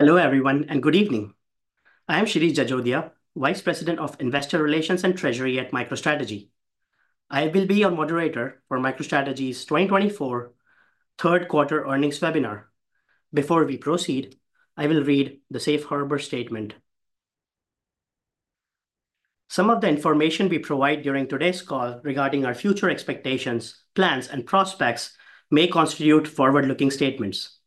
Hello everyone and good evening. I am Shirish Jajodia, Vice President of Investor Relations and Treasury at MicroStrategy. I will be your moderator for MicroStrategy's 2024 third quarter earnings webinar. Before we proceed, I will read the Safe Harbor Statement. Some of the information we provide during today's call regarding our future expectations, plans, and prospects may constitute forward-looking statements.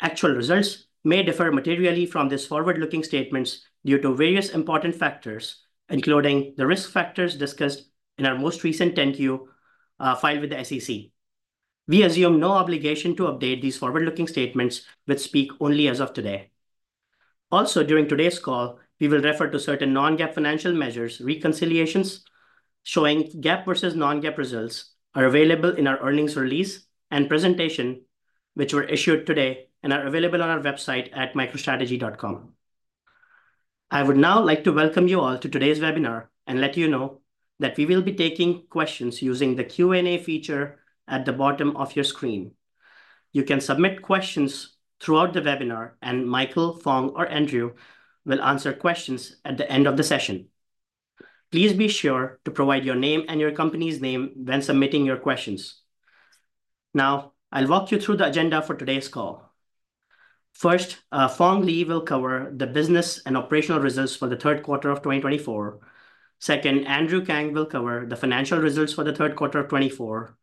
Actual results may differ materially from these forward-looking statements due to various important factors, including the risk factors discussed in our most recent 10-Q filed with the SEC. We assume no obligation to update these forward-looking statements, which speak only as of today. Also, during today's call, we will refer to certain non-GAAP financial measures reconciliations showing GAAP versus non-GAAP results that are available in our earnings release and presentation, which were issued today and are available on our website at microstrategy.com. I would now like to welcome you all to today's webinar and let you know that we will be taking questions using the Q&A feature at the bottom of your screen. You can submit questions throughout the webinar, and Michael, Phong, or Andrew will answer questions at the end of the session. Please be sure to provide your name and your company's name when submitting your questions. Now, I'll walk you through the agenda for today's call. First, Phong Le will cover the business and operational results for the third quarter of 2024. Second, Andrew Kang will cover the financial results for the third quarter of 2024.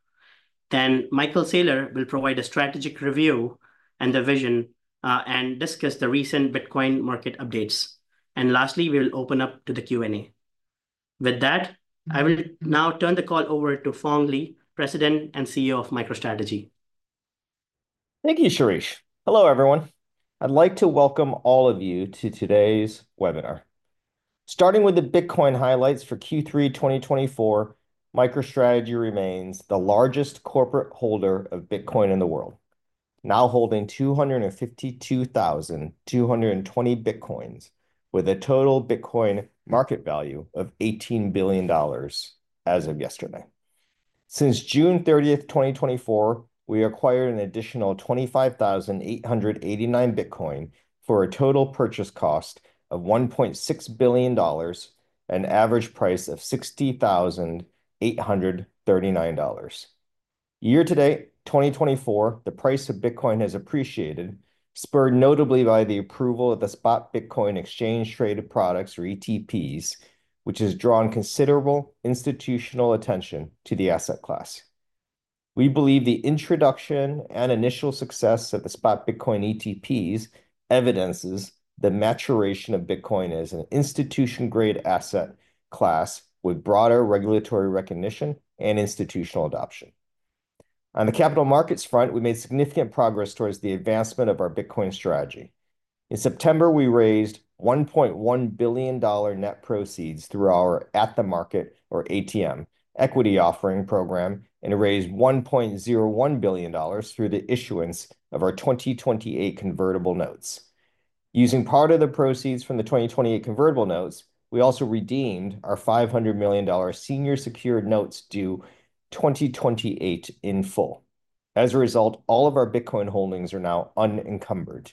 Then, Michael Saylor will provide a strategic review and the vision and discuss the recent Bitcoin market updates. And lastly, we'll open up to the Q&A. With that, I will now turn the call over to Phong Le, President and CEO of MicroStrategy. Thank you, Shirish. Hello everyone. I'd like to welcome all of you to today's webinar. Starting with the Bitcoin highlights for Q3 2024, MicroStrategy remains the largest corporate holder of Bitcoin in the world, now holding 252,220 Bitcoins with a total Bitcoin market value of $18 billion as of yesterday. Since June 30th, 2024, we acquired an additional 25,889 Bitcoin for a total purchase cost of $1.6 billion and an average price of $60,839. Year to date, 2024, the price of Bitcoin has appreciated, spurred notably by the approval of the Spot Bitcoin Exchange-Traded Products, or ETPs, which has drawn considerable institutional attention to the asset class. We believe the introduction and initial success of the Spot Bitcoin ETPs evidences the maturation of Bitcoin as an institution-grade asset class with broader regulatory recognition and institutional adoption. On the capital markets front, we made significant progress towards the advancement of our Bitcoin strategy. In September, we raised $1.1 billion net proceeds through our At-the-Market, or ATM, equity offering program, and raised $1.01 billion through the issuance of our 2028 convertible notes. Using part of the proceeds from the 2028 convertible notes, we also redeemed our $500 million senior secured notes due 2028 in full. As a result, all of our Bitcoin holdings are now unencumbered.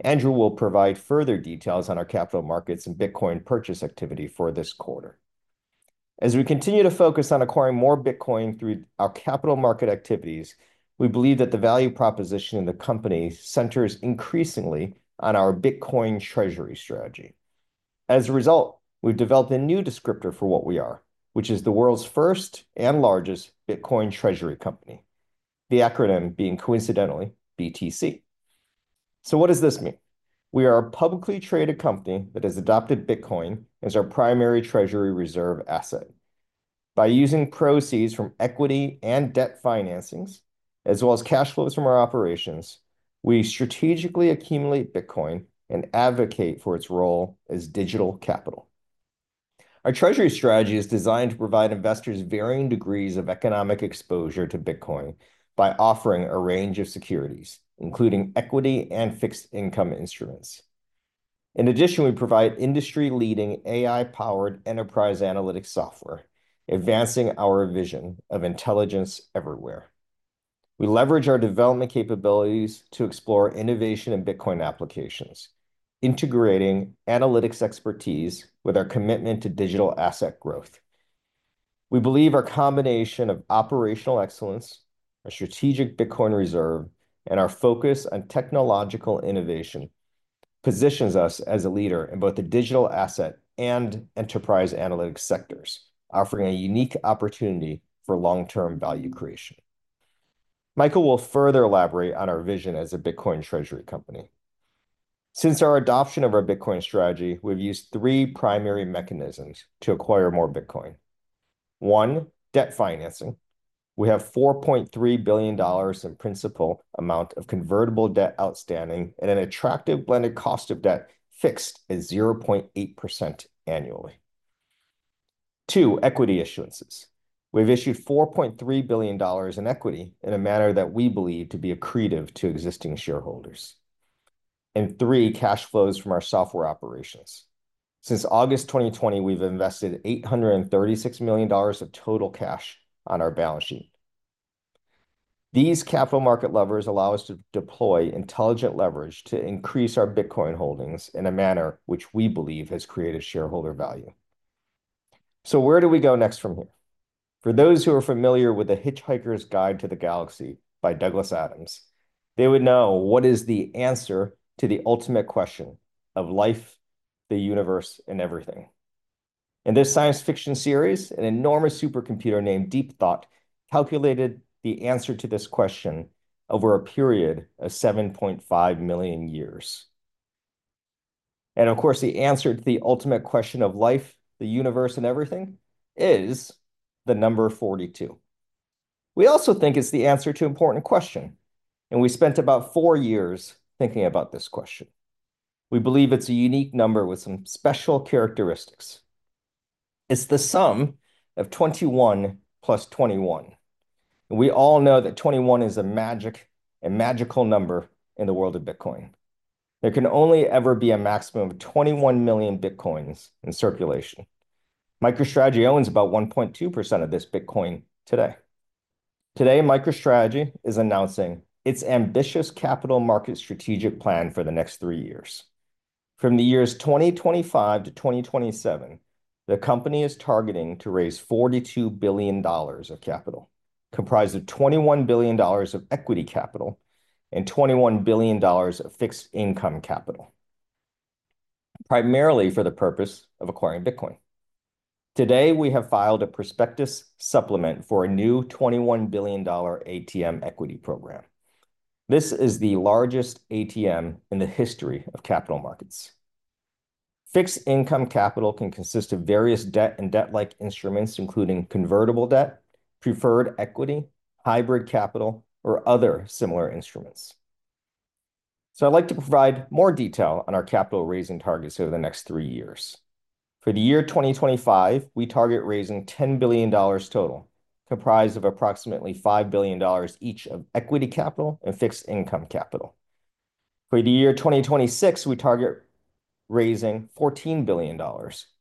Andrew will provide further details on our capital markets and Bitcoin purchase activity for this quarter. As we continue to focus on acquiring more Bitcoin through our capital market activities, we believe that the value proposition of the company centers increasingly on our Bitcoin Treasury strategy. As a result, we've developed a new descriptor for what we are, which is the world's first and largest Bitcoin Treasury company, the acronym being coincidentally BTC. So what does this mean? We are a publicly traded company that has adopted Bitcoin as our primary treasury reserve asset. By using proceeds from equity and debt financings, as well as cash flows from our operations, we strategically accumulate Bitcoin and advocate for its role as digital capital. Our treasury strategy is designed to provide investors varying degrees of economic exposure to Bitcoin by offering a range of securities, including equity and fixed income instruments. In addition, we provide industry-leading AI-powered enterprise analytics software, advancing our vision of Intelligence Everywhere. We leverage our development capabilities to explore innovation in Bitcoin applications, integrating analytics expertise with our commitment to digital asset growth. We believe our combination of operational excellence, our strategic Bitcoin reserve, and our focus on technological innovation positions us as a leader in both the digital asset and enterprise analytics sectors, offering a unique opportunity for long-term value creation. Michael will further elaborate on our vision as a Bitcoin Treasury company. Since our adoption of our Bitcoin strategy, we've used three primary mechanisms to acquire more Bitcoin. One, debt financing. We have $4.3 billion in principal amount of convertible debt outstanding and an attractive blended cost of debt fixed at 0.8% annually. Two, equity issuances. We've issued $4.3 billion in equity in a manner that we believe to be accretive to existing shareholders. And three, cash flows from our software operations. Since August 2020, we've invested $836 million of total cash on our balance sheet. These capital market levers allow us to deploy intelligent leverage to increase our Bitcoin holdings in a manner which we believe has created shareholder value. So where do we go next from here? For those who are familiar with The Hitchhiker's Guide to the Galaxy by Douglas Adams, they would know what is the answer to the ultimate question of life, the universe, and everything. In this science fiction series, an enormous supercomputer named Deep Thought calculated the answer to this question over a period of 7.5 million years. And of course, the answer to the ultimate question of life, the universe, and everything is the number 42. We also think it's the answer to an important question, and we spent about four years thinking about this question. We believe it's a unique number with some special characteristics. It's the sum of 21 plus 21. We all know that 21 is a magic, a magical number in the world of Bitcoin. There can only ever be a maximum of 21 million Bitcoins in circulation. MicroStrategy owns about 1.2% of this Bitcoin today. Today, MicroStrategy is announcing its ambitious capital market strategic plan for the next three years. From the years 2025 to 2027, the company is targeting to raise $42 billion of capital, comprised of $21 billion of equity capital and $21 billion of fixed income capital, primarily for the purpose of acquiring Bitcoin. Today, we have filed a prospectus supplement for a new $21 billion ATM equity program. This is the largest ATM in the history of capital markets. Fixed income capital can consist of various debt and debt-like instruments, including convertible debt, preferred equity, hybrid capital, or other similar instruments. I'd like to provide more detail on our capital raising targets over the next three years. For the year 2025, we target raising $10 billion total, comprised of approximately $5 billion each of equity capital and fixed income capital. For the year 2026, we target raising $14 billion,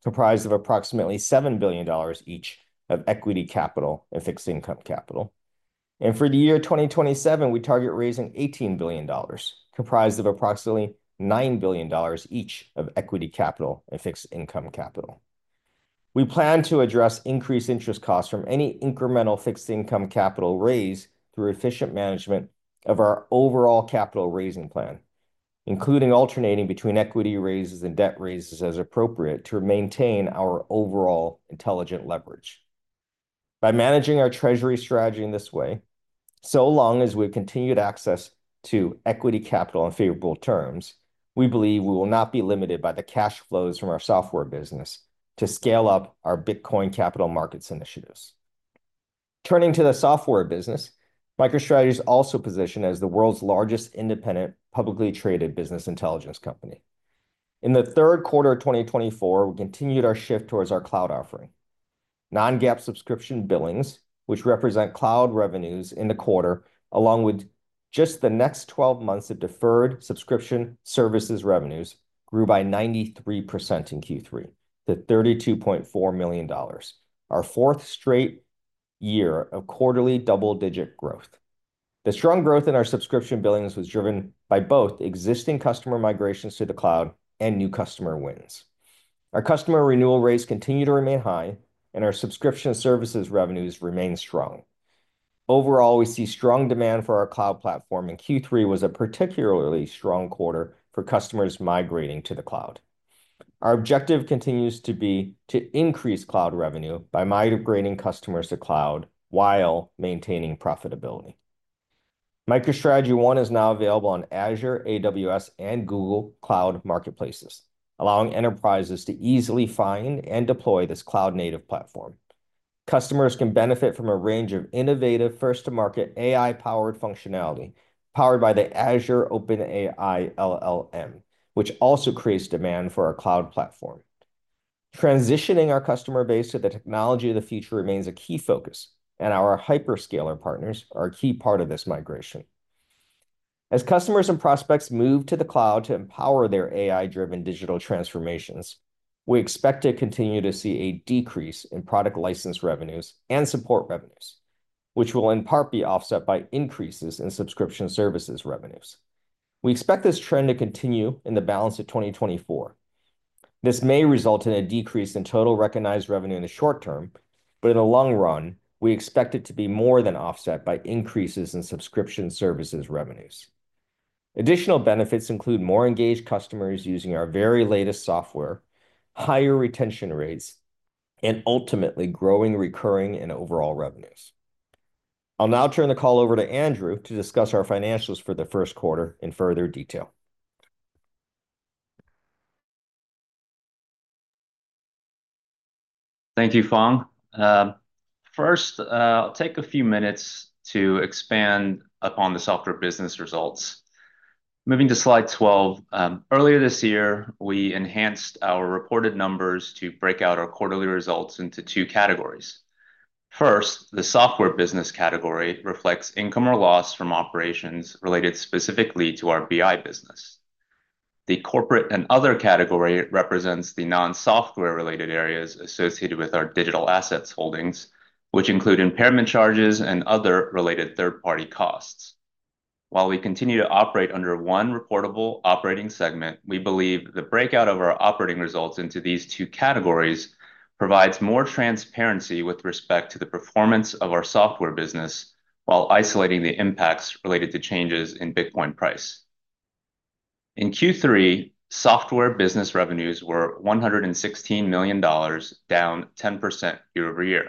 comprised of approximately $7 billion each of equity capital and fixed income capital. For the year 2027, we target raising $18 billion, comprised of approximately $9 billion each of equity capital and fixed income capital. We plan to address increased interest costs from any incremental fixed income capital raise through efficient management of our overall capital raising plan, including alternating between equity raises and debt raises as appropriate to maintain our overall Intelligent Leverage. By managing our treasury strategy in this way, so long as we have continued access to equity capital on favorable terms, we believe we will not be limited by the cash flows from our software business to scale up our Bitcoin capital markets initiatives. Turning to the software business, MicroStrategy is also positioned as the world's largest independent publicly traded business intelligence company. In the third quarter of 2024, we continued our shift towards our cloud offering. Non-GAAP subscription billings, which represent cloud revenues in the quarter, along with just the next 12 months of deferred subscription services revenues, grew by 93% in Q3 to $32.4 million, our fourth straight year of quarterly double-digit growth. The strong growth in our subscription billings was driven by both existing customer migrations to the cloud and new customer wins. Our customer renewal rates continue to remain high, and our subscription services revenues remain strong. Overall, we see strong demand for our cloud platform, and Q3 was a particularly strong quarter for customers migrating to the cloud. Our objective continues to be to increase cloud revenue by migrating customers to cloud while maintaining profitability. MicroStrategy ONE is now available on Azure, AWS, and Google Cloud Marketplaces, allowing enterprises to easily find and deploy this cloud-native platform. Customers can benefit from a range of innovative first-to-market AI-powered functionality powered by the Azure OpenAI LLM, which also creates demand for our cloud platform. Transitioning our customer base to the technology of the future remains a key focus, and our hyperscaler partners are a key part of this migration. As customers and prospects move to the cloud to empower their AI-driven digital transformations, we expect to continue to see a decrease in product license revenues and support revenues, which will in part be offset by increases in subscription services revenues. We expect this trend to continue in the balance of 2024. This may result in a decrease in total recognized revenue in the short term, but in the long run, we expect it to be more than offset by increases in subscription services revenues. Additional benefits include more engaged customers using our very latest software, higher retention rates, and ultimately growing recurring and overall revenues. I'll now turn the call over to Andrew to discuss our financials for the first quarter in further detail. Thank you, Phong. First, I'll take a few minutes to expand upon the software business results. Moving to slide 12, earlier this year, we enhanced our reported numbers to break out our quarterly results into two categories. First, the software business category reflects income or loss from operations related specifically to our BI business. The corporate and other category represents the non-software related areas associated with our digital assets holdings, which include impairment charges and other related third-party costs. While we continue to operate under one reportable operating segment, we believe the breakout of our operating results into these two categories provides more transparency with respect to the performance of our software business while isolating the impacts related to changes in Bitcoin price. In Q3, software business revenues were $116 million, down 10% year-over-year.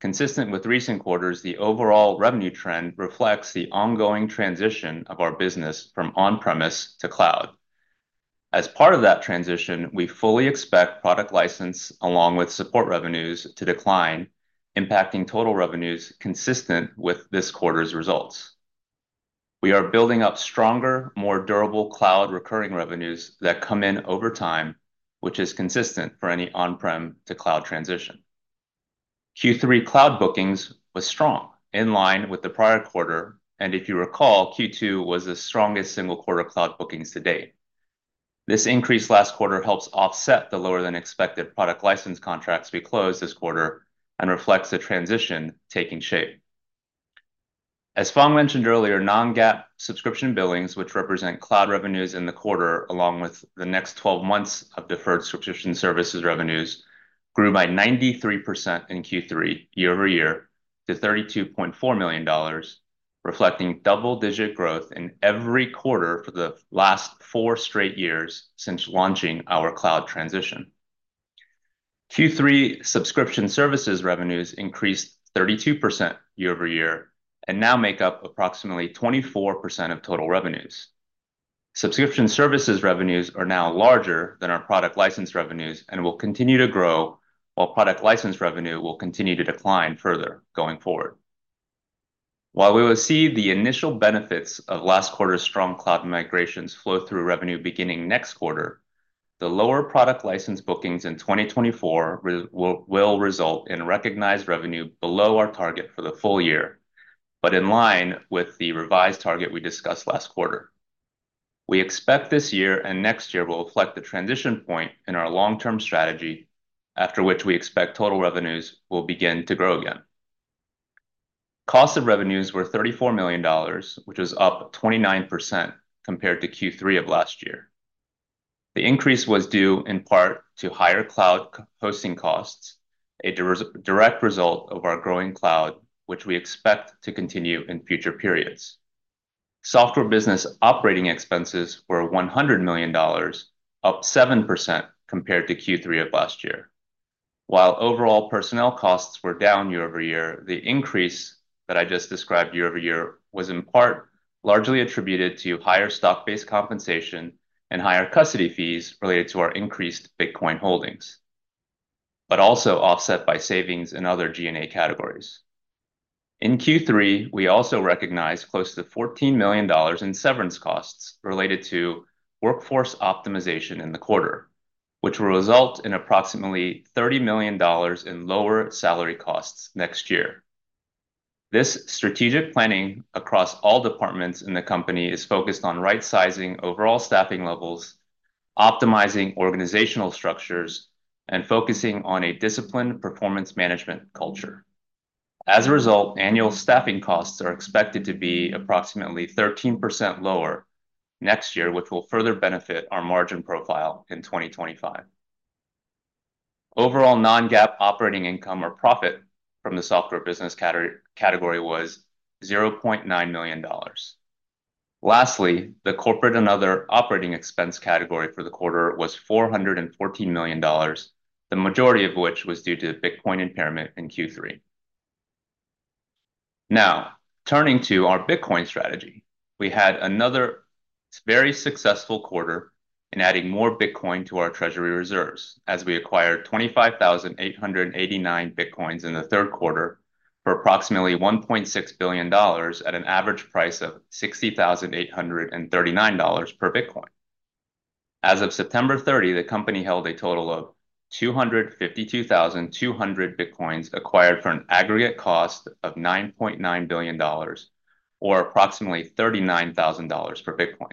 Consistent with recent quarters, the overall revenue trend reflects the ongoing transition of our business from on-premise to cloud. As part of that transition, we fully expect product license, along with support revenues, to decline, impacting total revenues consistent with this quarter's results. We are building up stronger, more durable cloud recurring revenues that come in over time, which is consistent for any on-prem to cloud transition. Q3 cloud bookings was strong, in line with the prior quarter, and if you recall, Q2 was the strongest single quarter cloud bookings to date. This increased last quarter helps offset the lower than expected product license contracts we closed this quarter and reflects the transition taking shape. As Phong mentioned earlier, non-GAAP subscription billings, which represent cloud revenues in the quarter, along with the next 12 months of deferred subscription services revenues, grew by 93% in Q3 year-over-year to $32.4 million, reflecting double-digit growth in every quarter for the last four straight years since launching our cloud transition. Q3 subscription services revenues increased 32% year-over-year and now make up approximately 24% of total revenues. Subscription services revenues are now larger than our product license revenues and will continue to grow, while product license revenue will continue to decline further going forward. While we will see the initial benefits of last quarter's strong cloud migrations flow through revenue beginning next quarter, the lower product license bookings in 2024 will result in recognized revenue below our target for the full year, but in line with the revised target we discussed last quarter. We expect this year and next year will reflect the transition point in our long-term strategy, after which we expect total revenues will begin to grow again. Cost of revenues were $34 million, which was up 29% compared to Q3 of last year. The increase was due in part to higher cloud hosting costs, a direct result of our growing cloud, which we expect to continue in future periods. Software business operating expenses were $100 million, up 7% compared to Q3 of last year. While overall personnel costs were down year-over-year, the increase that I just described year-over-year was in part largely attributed to higher stock-based compensation and higher custody fees related to our increased Bitcoin holdings, but also offset by savings in other G&A categories. In Q3, we also recognized close to $14 million in severance costs related to workforce optimization in the quarter, which will result in approximately $30 million in lower salary costs next year. This strategic planning across all departments in the company is focused on right-sizing overall staffing levels, optimizing organizational structures, and focusing on a disciplined performance management culture. As a result, annual staffing costs are expected to be approximately 13% lower next year, which will further benefit our margin profile in 2025. Overall non-GAAP operating income or profit from the software business category was $0.9 million. Lastly, the corporate and other operating expense category for the quarter was $414 million, the majority of which was due to Bitcoin impairment in Q3. Now, turning to our Bitcoin strategy, we had another very successful quarter in adding more Bitcoin to our treasury reserves as we acquired 25,889 Bitcoins in the third quarter for approximately $1.6 billion at an average price of $60,839 per Bitcoin. As of September 30, the company held a total of 252,200 Bitcoins acquired for an aggregate cost of $9.9 billion, or approximately $39,000 per Bitcoin.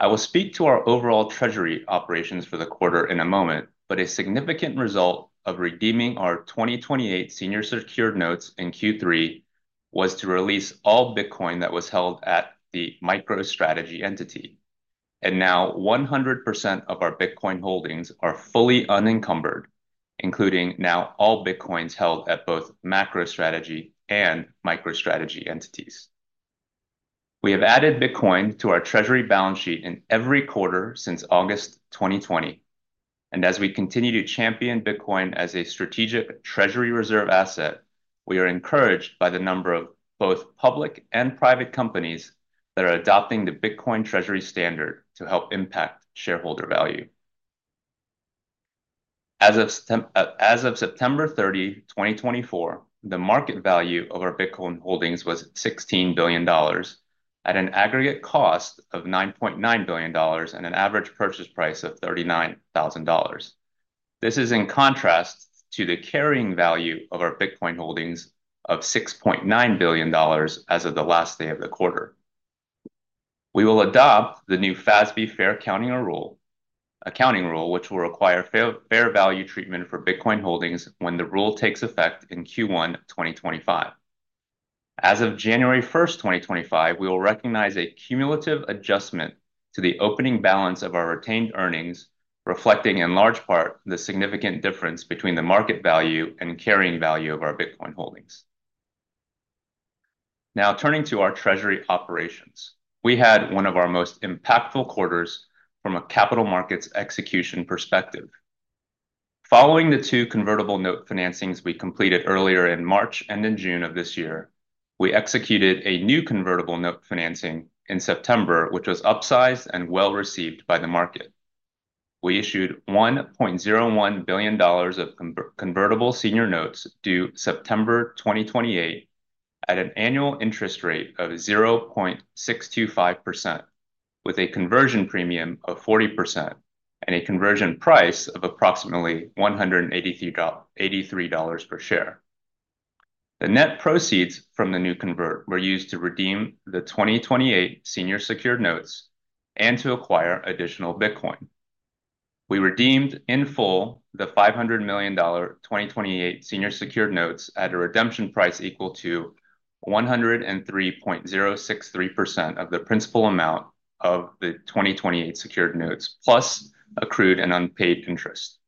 I will speak to our overall treasury operations for the quarter in a moment, but a significant result of redeeming our 2028 Senior Secured Notes in Q3 was to release all Bitcoin that was held at the MicroStrategy entity, and now 100% of our Bitcoin holdings are fully unencumbered, including now all Bitcoins held at both MacroStrategy and MicroStrategy entities. We have added Bitcoin to our treasury balance sheet in every quarter since August 2020. As we continue to champion Bitcoin as a strategic treasury reserve asset, we are encouraged by the number of both public and private companies that are adopting the Bitcoin treasury standard to help impact shareholder value. As of September 30, 2024, the market value of our Bitcoin holdings was $16 billion at an aggregate cost of $9.9 billion and an average purchase price of $39,000. This is in contrast to the carrying value of our Bitcoin holdings of $6.9 billion as of the last day of the quarter. We will adopt the new FASB fair accounting rule, which will require fair value treatment for Bitcoin holdings when the rule takes effect in Q1 2025. As of January 1, 2025, we will recognize a cumulative adjustment to the opening balance of our retained earnings, reflecting in large part the significant difference between the market value and carrying value of our Bitcoin holdings. Now, turning to our treasury operations, we had one of our most impactful quarters from a capital markets execution perspective. Following the two convertible note financings we completed earlier in March and in June of this year, we executed a new convertible note financing in September, which was upsized and well received by the market. We issued $1.01 billion of convertible senior notes due September 2028 at an annual interest rate of 0.625%, with a conversion premium of 40% and a conversion price of approximately $183 per share. The net proceeds from the new convert were used to redeem the 2028 senior secured notes and to acquire additional Bitcoin. We redeemed in full the $500 million 2028 senior secured notes at a redemption price equal to 103.063% of the principal amount of the 2028 secured notes, plus accrued and unpaid interest.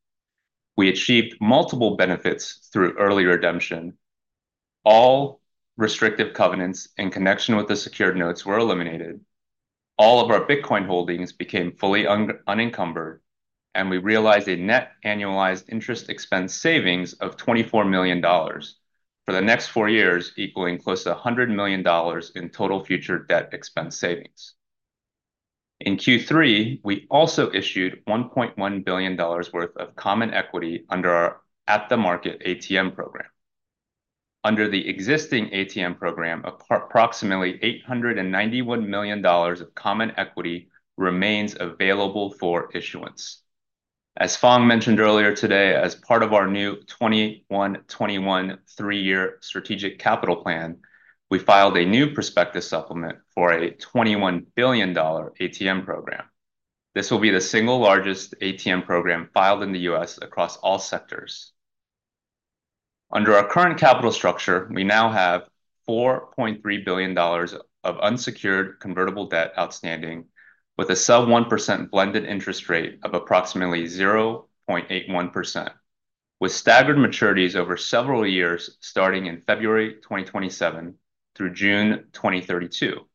We achieved multiple benefits through early redemption. All restrictive covenants in connection with the secured notes were eliminated. All of our Bitcoin holdings became fully unencumbered, and we realized a net annualized interest expense savings of $24 million for the next four years, equaling close to $100 million in total future debt expense savings. In Q3, we also issued $1.1 billion worth of common equity under our at-the-market ATM program. Under the existing ATM program, approximately $891 million of common equity remains available for issuance. As Phong mentioned earlier today, as part of our new 21/21 three-year strategic capital plan, we filed a new prospectus supplement for a $21 billion ATM program. This will be the single largest ATM program filed in the U.S. across all sectors. Under our current capital structure, we now have $4.3 billion of unsecured convertible debt outstanding, with a sub 1% blended interest rate of approximately 0.81%, with staggered maturities over several years starting in February 2027 through June 2032,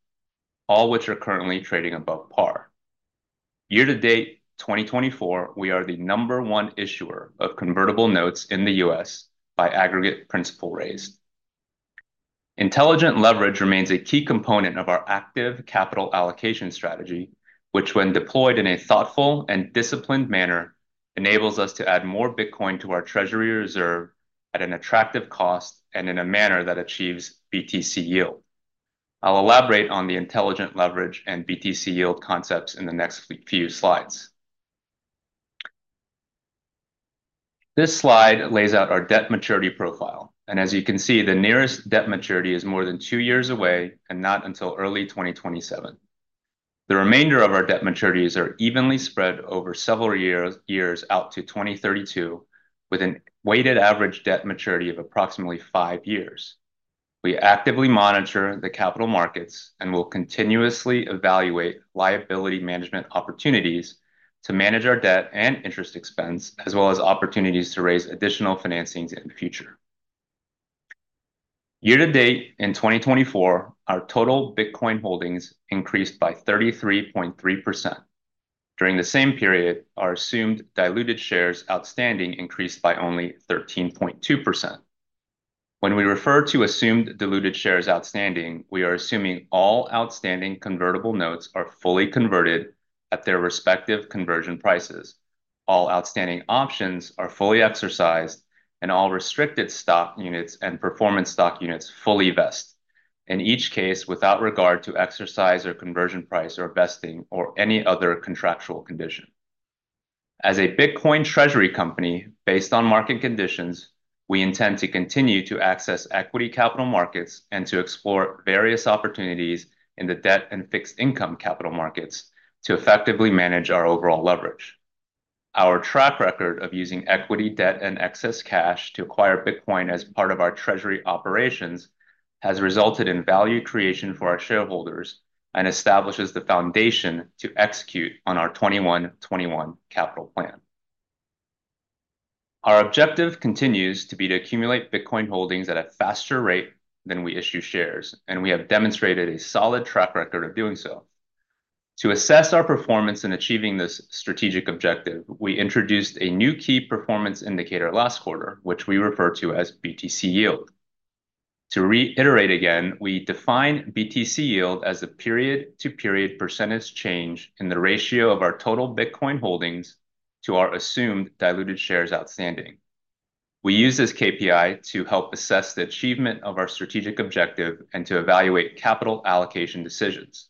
all which are currently trading above par. Year to date 2024, we are the number one issuer of convertible notes in the U.S. by aggregate principal raised. Intelligent leverage remains a key component of our active capital allocation strategy, which, when deployed in a thoughtful and disciplined manner, enables us to add more Bitcoin to our treasury reserve at an attractive cost and in a manner that achieves BTC Yield. I'll elaborate on the intelligent leverage and BTC Yield concepts in the next few slides. This slide lays out our debt maturity profile. As you can see, the nearest debt maturity is more than two years away and not until early 2027. The remainder of our debt maturities are evenly spread over several years out to 2032, with a weighted average debt maturity of approximately five years. We actively monitor the capital markets and will continuously evaluate liability management opportunities to manage our debt and interest expense, as well as opportunities to raise additional financings in the future. Year to date in 2024, our total Bitcoin holdings increased by 33.3%. During the same period, our assumed diluted shares outstanding increased by only 13.2%. When we refer to assumed diluted shares outstanding, we are assuming all outstanding convertible notes are fully converted at their respective conversion prices. All outstanding options are fully exercised, and all restricted stock units and performance stock units fully vest, in each case without regard to exercise or conversion price or vesting or any other contractual condition. As a Bitcoin treasury company based on market conditions, we intend to continue to access equity capital markets and to explore various opportunities in the debt and fixed income capital markets to effectively manage our overall leverage. Our track record of using equity, debt, and excess cash to acquire Bitcoin as part of our treasury operations has resulted in value creation for our shareholders and establishes the foundation to execute on our 21/21 capital plan. Our objective continues to be to accumulate Bitcoin holdings at a faster rate than we issue shares, and we have demonstrated a solid track record of doing so. To assess our performance in achieving this strategic objective, we introduced a new key performance indicator last quarter, which we refer to as BTC Yield. To reiterate again, we define BTC Yield as a period-to-period percentage change in the ratio of our total Bitcoin holdings to our assumed diluted shares outstanding. We use this KPI to help assess the achievement of our strategic objective and to evaluate capital allocation decisions.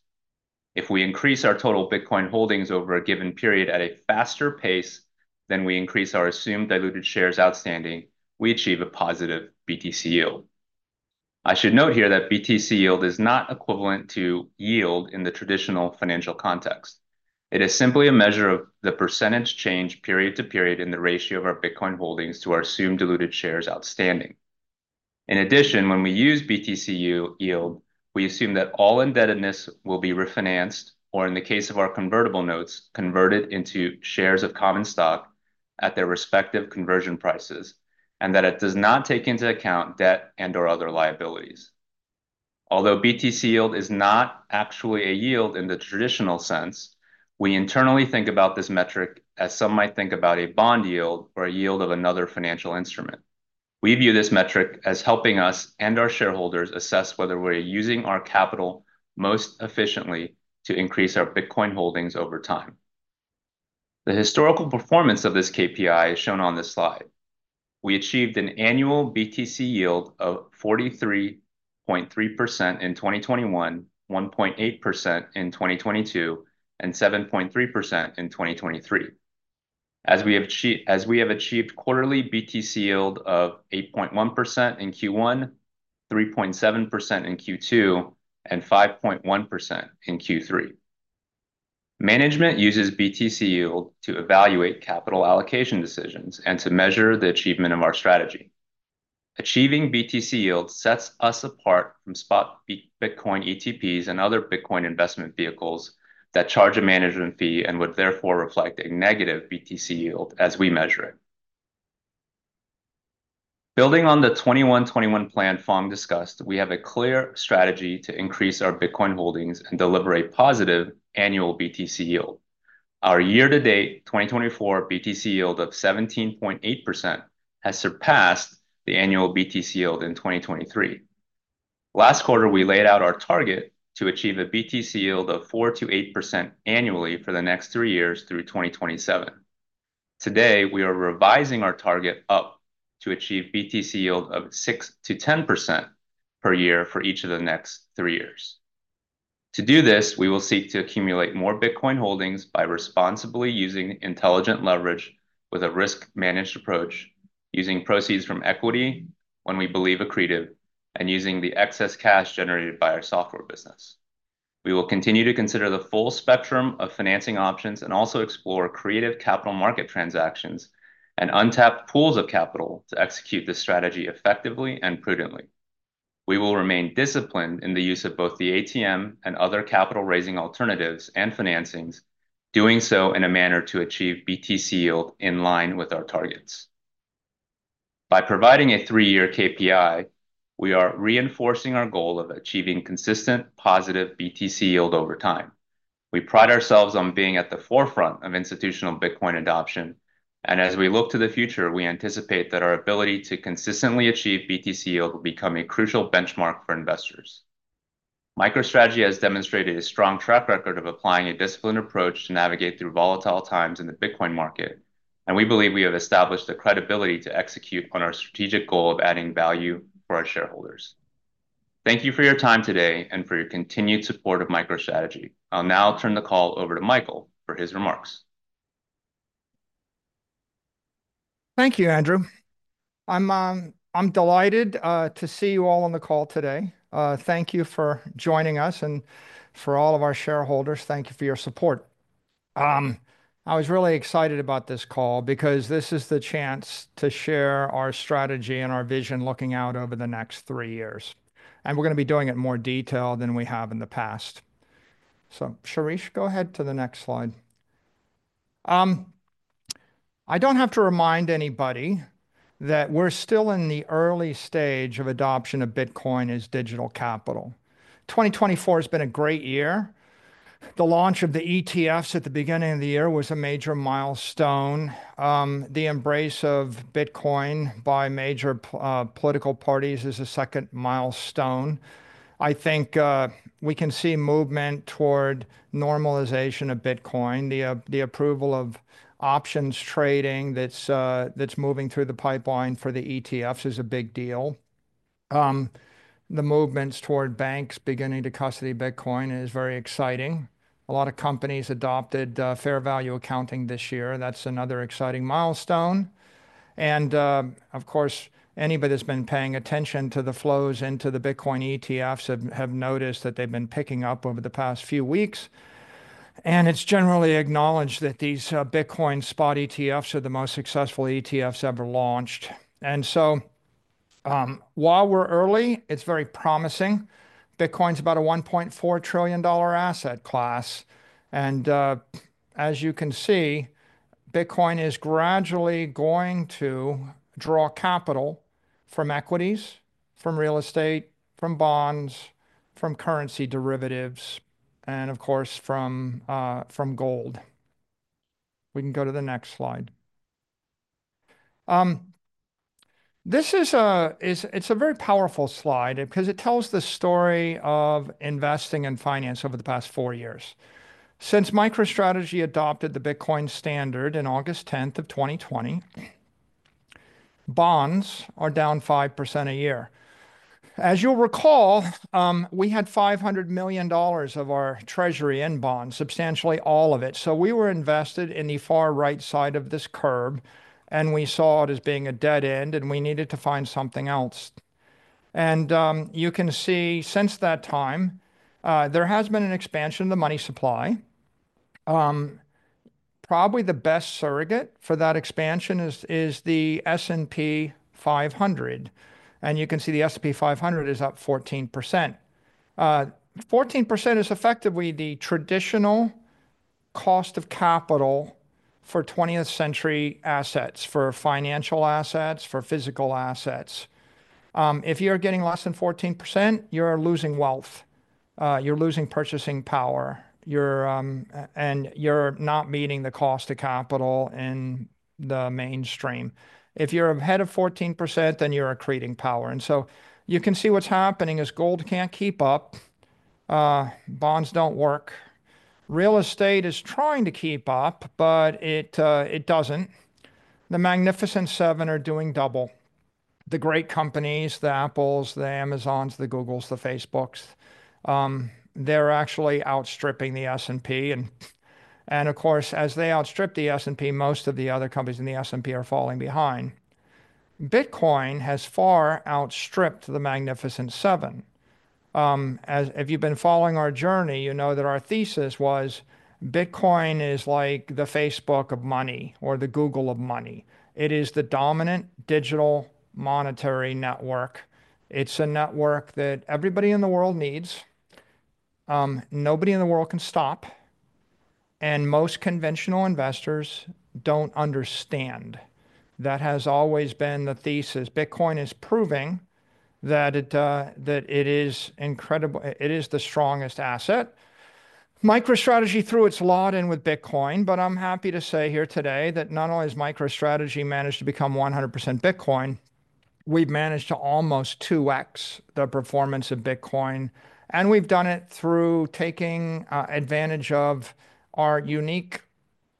If we increase our total Bitcoin holdings over a given period at a faster pace than we increase our assumed diluted shares outstanding, we achieve a positive BTC Yield. I should note here that BTC Yield is not equivalent to yield in the traditional financial context. It is simply a measure of the percentage change period-to-period in the ratio of our Bitcoin holdings to our assumed diluted shares outstanding. In addition, when we use BTC Yield, we assume that all indebtedness will be refinanced, or in the case of our convertible notes, converted into shares of common stock at their respective conversion prices, and that it does not take into account debt and/or other liabilities. Although BTC Yield is not actually a yield in the traditional sense, we internally think about this metric as some might think about a bond yield or a yield of another financial instrument. We view this metric as helping us and our shareholders assess whether we're using our capital most efficiently to increase our Bitcoin holdings over time. The historical performance of this KPI is shown on this slide. We achieved an annual BTC Yield of 43.3% in 2021, 1.8% in 2022, and 7.3% in 2023. As we have achieved quarterly BTC Yield of 8.1% in Q1, 3.7% in Q2, and 5.1% in Q3. Management uses BTC Yield to evaluate capital allocation decisions and to measure the achievement of our strategy. Achieving BTC Yield sets us apart from spot Bitcoin ETPs and other Bitcoin investment vehicles that charge a management fee and would therefore reflect a negative BTC Yield as we measure it. Building on the 21/21 Plan Phong discussed, we have a clear strategy to increase our Bitcoin holdings and deliver a positive annual BTC Yield. Our year-to-date 2024 BTC Yield of 17.8% has surpassed the annual BTC yield in 2023. Last quarter, we laid out our target to achieve a BTC yield of 4%-8% annually for the next three years through 2027. Today, we are revising our target up to achieve BTC yield of 6%-10% per year for each of the next three years. To do this, we will seek to accumulate more Bitcoin holdings by responsibly using intelligent leverage with a risk-managed approach, using proceeds from equity when we believe accretive, and using the excess cash generated by our software business. We will continue to consider the full spectrum of financing options and also explore creative capital market transactions and untapped pools of capital to execute this strategy effectively and prudently. We will remain disciplined in the use of both the ATM and other capital-raising alternatives and financings, doing so in a manner to achieve BTC Yield in line with our targets. By providing a three-year KPI, we are reinforcing our goal of achieving consistent positive BTC Yield over time. We pride ourselves on being at the forefront of institutional Bitcoin adoption, and as we look to the future, we anticipate that our ability to consistently achieve BTC Yield will become a crucial benchmark for investors. MicroStrategy has demonstrated a strong track record of applying a disciplined approach to navigate through volatilIty times in the Bitcoin market, and we believe we have established the credibility to execute on our strategic goal of adding value for our shareholders. Thank you for your time today and for your continued support of MicroStrategy. I'll now turn the call over to Michael for his remarks. Thank you, Andrew. I'm delighted to see you all on the call today. Thank you for joining us and for all of our shareholders. Thank you for your support. I was really excited about this call because this is the chance to share our strategy and our vision looking out over the next three years, and we're going to be doing it in more detail than we have in the past. So, Shirish, go ahead to the next slide. I don't have to remind anybody that we're still in the early stage of adoption of Bitcoin as digital capital. 2024 has been a great year. The launch of the ETFs at the beginning of the year was a major milestone. The embrace of Bitcoin by major political parties is a second milestone. I think we can see movement toward normalization of Bitcoin. The approval of options trading that's moving through the pipeline for the ETFs is a big deal. The movements toward banks beginning to custody Bitcoin is very exciting. A lot of companies adopted fair value accounting this year. That's another exciting milestone, and of course, anybody that's been paying attention to the flows into the Bitcoin ETFs have noticed that they've been picking up over the past few weeks. And it's generally acknowledged that these Bitcoin spot ETFs are the most successful ETFs ever launched, and so while we're early, it's very promising. Bitcoin's about a $1.4 trillion asset class, and as you can see, Bitcoin is gradually going to draw capital from equities, from real estate, from bonds, from currency derivatives, and of course, from gold. We can go to the next slide. This is a very powerful slide because it tells the story of investing and finance over the past four years. Since MicroStrategy adopted the Bitcoin standard in August 10th of 2020, bonds are down 5% a year. As you'll recall, we had $500 million of our treasury in bonds, substantially all of it, so we were invested in the far right side of this curve, and we saw it as being a dead end, and we needed to find something else, and you can see since that time, there has been an expansion of the money supply. Probably the best surrogate for that expansion is the S&P 500, and you can see the S&P 500 is up 14%. 14% is effectively the traditional cost of capital for 20th-century assets, for financial assets, for physical assets. If you're getting less than 14%, you're losing wealth. You're losing purchasing power, and you're not meeting the cost of capital in the mainstream. If you're ahead of 14%, then you're accreting power, and so you can see what's happening is gold can't keep up. Bonds don't work. Real estate is trying to keep up, but it doesn't. The Magnificent Seven are doing double. The great companies, the Apples, the Amazons, the Googles, the Facebooks, they're actually outstripping the S&P, and of course, as they outstrip the S&P, most of the other companies in the S&P are falling behind. Bitcoin has far outstripped the Magnificent Seven. If you've been following our journey, you know that our thesis was Bitcoin is like the Facebook of money or the Google of money. It is the dominant digital monetary network. It's a network that everybody in the world needs. Nobody in the world can stop, and most conventional investors don't understand. That has always been the thesis. Bitcoin is proving that it is incredible. It is the strongest asset. MicroStrategy threw its lot in with Bitcoin, but I'm happy to say here today that not only has MicroStrategy managed to become 100% Bitcoin, we've managed to almost 2x the performance of Bitcoin, and we've done it through taking advantage of our unique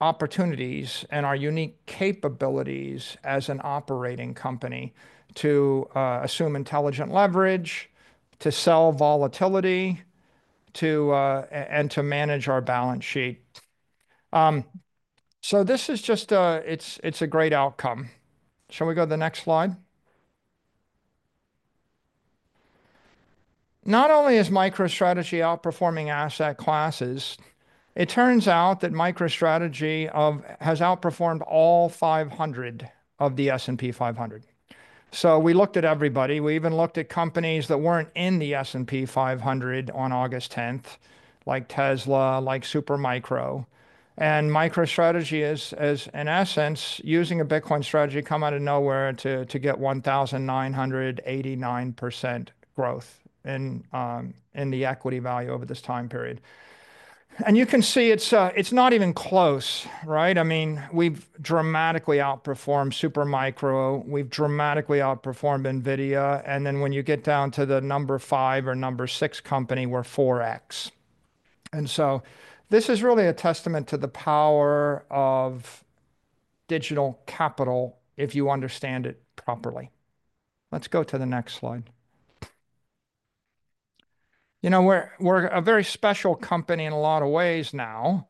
opportunities and our unique capabilities as an operating company to assume intelligent leverage, to sell volatility, and to manage our balance sheet, so this is just a great outcome. Shall we go to the next slide? Not only is MicroStrategy outperforming asset classes, it turns out that MicroStrategy has outperformed all 500 of the S&P 500, so we looked at everybody. We even looked at companies that weren't in the S&P 500 on August 10th, like Tesla, like Supermicro, and MicroStrategy is, in essence, using a Bitcoin strategy, come out of nowhere to get 1,989% growth in the equity value over this time period. And you can see it's not even close, right? I mean, we've dramatically outperformed Supermicro. We've dramatically outperformed NVIDIA. And then when you get down to the number five or number six company, we're 4x. And so this is really a testament to the power of Digital Capital if you understand it properly. Let's go to the next slide. You know, we're a very special company in a lot of ways now.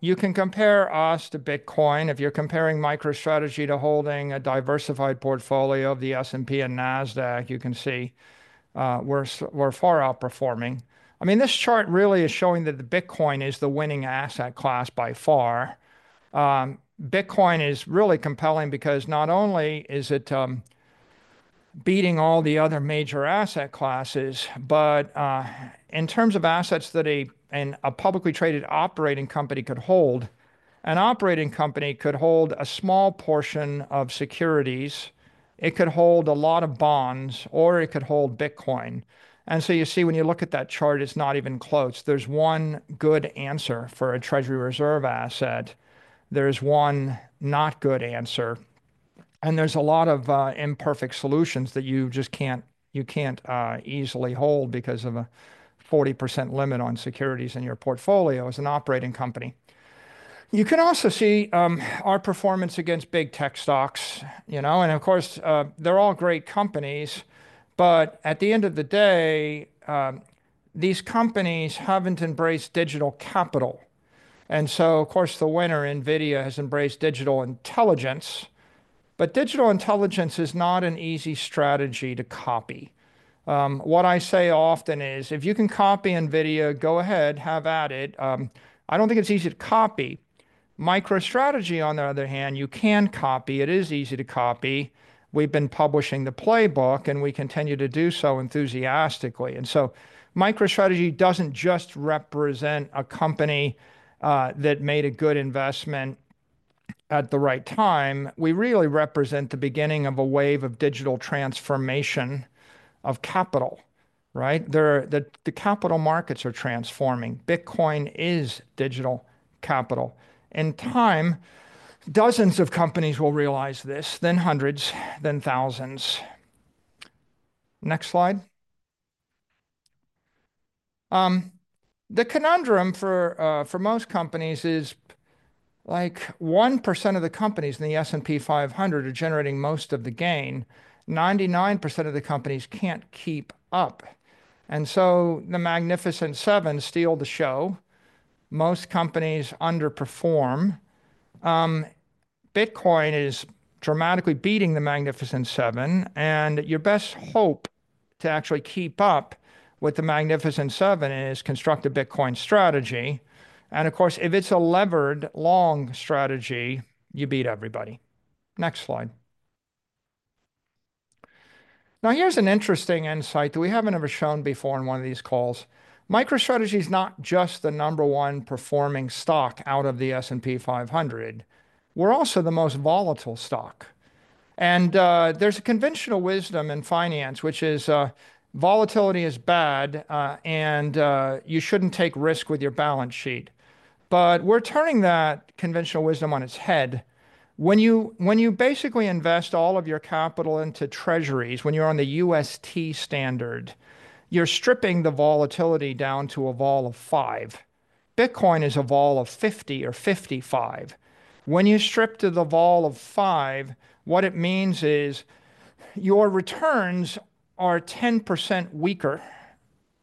You can compare us to Bitcoin. If you're comparing MicroStrategy to holding a diversified portfolio of the S&P and NASDAQ, you can see we're far outperforming. I mean, this chart really is showing that the Bitcoin is the winning asset class by far. Bitcoin is really compelling because not only is it beating all the other major asset classes, but in terms of assets that a publicly traded operating company could hold, an operating company could hold a small portion of securities. It could hold a lot of bonds, or it could hold Bitcoin. And so you see when you look at that chart, it's not even close. There's one good answer for a treasury reserve asset. There's one not good answer. And there's a lot of imperfect solutions that you just can't easily hold because of a 40% limit on securities in your portfolio as an operating company. You can also see our performance against big tech stocks. And of course, they're all great companies. But at the end of the day, these companies haven't embraced digital capital. And so, of course, the winner, NVIDIA, has embraced digital intelligence. But digital intelligence is not an easy strategy to copy. What I say often is, if you can copy NVIDIA, go ahead, have at it. I don't think it's easy to copy. MicroStrategy, on the other hand, you can copy. It is easy to copy. We've been publishing the playbook, and we continue to do so enthusiastically. And so MicroStrategy doesn't just represent a company that made a good investment at the right time. We really represent the beginning of a wave of digital transformation of capital, right? The capital markets are transforming. Bitcoin is digital capital. In time, dozens of companies will realize this, then hundreds, then thousands. Next slide. The conundrum for most companies is like 1% of the companies in the S&P 500 are generating most of the gain. 99% of the companies can't keep up. And so the Magnificent Seven steal the show. Most companies underperform. Bitcoin is dramatically beating the Magnificent Seven. And your best hope to actually keep up with the Magnificent Seven is to construct a Bitcoin strategy. And of course, if it's a levered long strategy, you beat everybody. Next slide. Now, here's an interesting insight that we haven't ever shown before in one of these calls. MicroStrategy is not just the number one performing stock out of the S&P 500. We're also the most volatile stock. And there's a conventional wisdom in finance, which is volatility is bad, and you shouldn't take risk with your balance sheet. But we're turning that conventional wisdom on its head. When you basically invest all of your capital into treasuries, when you're on the UST standard, you're stripping the volatility down to a vol of five. Bitcoin is a vol of 50 or 55. When you strip to the vol of five, what it means is your returns are 10% weaker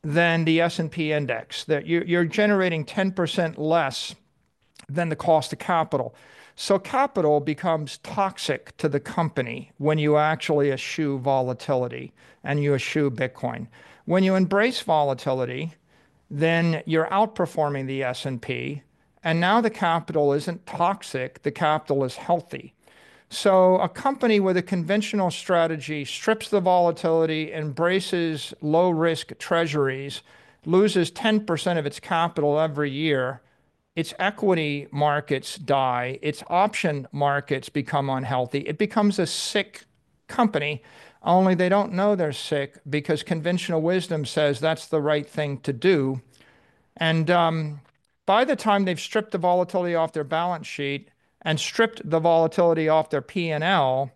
than the S&P index. You're generating 10% less than the cost of capital, so capital becomes toxic to the company when you actually issue volatility and you issue Bitcoin. When you embrace volatility, then you're outperforming the S&P, and now the capital isn't toxic. The capital is healthy, so a company with a conventional strategy strips the volatility, embraces low-risk treasuries, loses 10% of its capital every year. Its equity markets die. Its option markets become unhealthy. It becomes a sick company. Only they don't know they're sick because conventional wisdom says that's the right thing to do, and by the time they've stripped the volatility off their balance sheet and stripped the volatility off their P&L,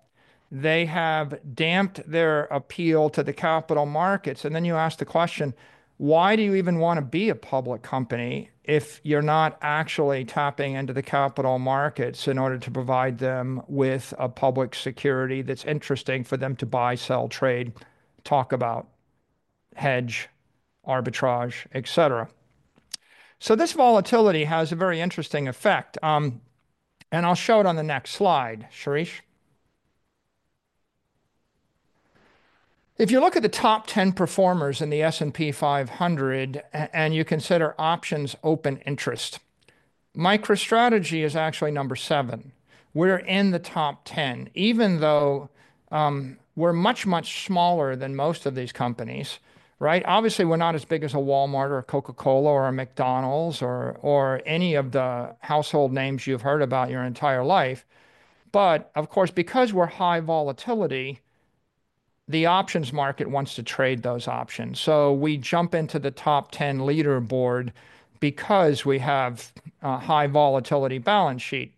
they have damped their appeal to the capital markets. And then you ask the question, why do you even want to be a public company if you're not actually tapping into the capital markets in order to provide them with a public security that's interesting for them to buy, sell, trade, talk about, hedge, arbitrage, et cetera? So this volatility has a very interesting effect. And I'll show it on the next slide, Shirish. If you look at the top 10 performers in the S&P 500 and you consider options open interest, MicroStrategy is actually number seven. We're in the top 10, even though we're much, much smaller than most of these companies, right? Obviously, we're not as big as a Walmart or a Coca-Cola or a McDonald's or any of the household names you've heard about your entire life. But of course, because we're high volatility, the options market wants to trade those options. We jump into the top 10 leaderboard because we have a high volatility balance sheet.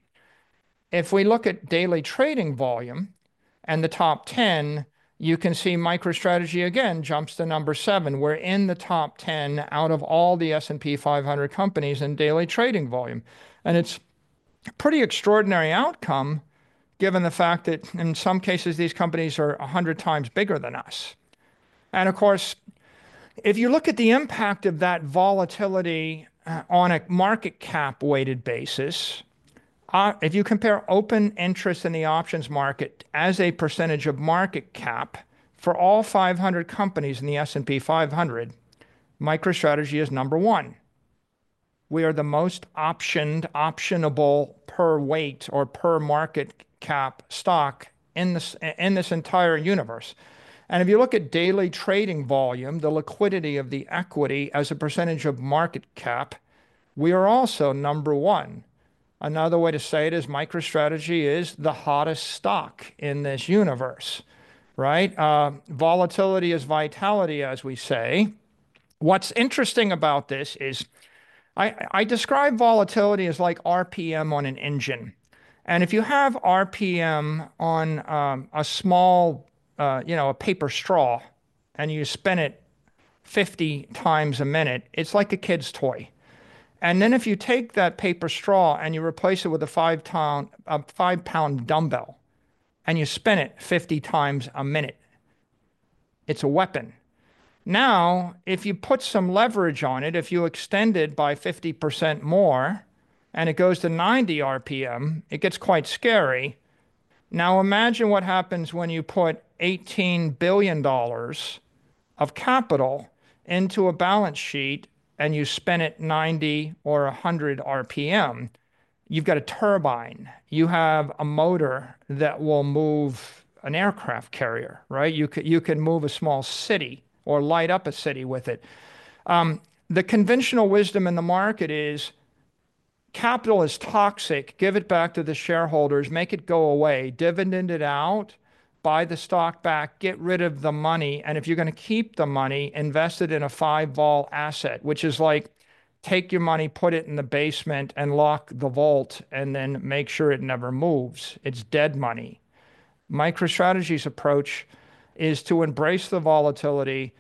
If we look at daily trading volume and the top 10, you can see MicroStrategy again jumps to number seven. We're in the top 10 out of all the S&P 500 companies in daily trading volume. And it's a pretty extraordinary outcome given the fact that in some cases, these companies are 100 times bigger than us. And of course, if you look at the impact of that volatility on a market cap-weighted basis, if you compare open interest in the options market as a percentage of market cap for all 500 companies in the S&P 500, MicroStrategy is number one. We are the most optioned, optionable per weight or per market cap stock in this entire universe. If you look at daily trading volume, the liquidity of the equity as a percentage of market cap, we are also number one. Another way to say it is MicroStrategy is the hottest stock in this universe, right? Volatility is vitality, as we say. What's interesting about this is I describe volatility as like RPM on an engine. If you have RPM on a small, you know, a paper straw and you spin it 50 times a minute, it's like a kid's toy. Then if you take that paper straw and you replace it with a five-pound dumbbell and you spin it 50 times a minute, it's a weapon. Now, if you put some leverage on it, if you extend it by 50% more and it goes to 90 RPM, it gets quite scary. Now, imagine what happens when you put $18 billion of capital into a balance sheet and you spin it 90 or 100 RPM. You've got a turbine. You have a motor that will move an aircraft carrier, right? You can move a small city or light up a city with it. The conventional wisdom in the market is capital is toxic. Give it back to the shareholders. Make it go away. Dividend it out. Buy the stock back. Get rid of the money, and if you're going to keep the money, invest it in a five-vol asset, which is like take your money, put it in the basement, and lock the vault, and then make sure it never moves. It's dead money. MicroStrategy's approach is to embrace the volatility,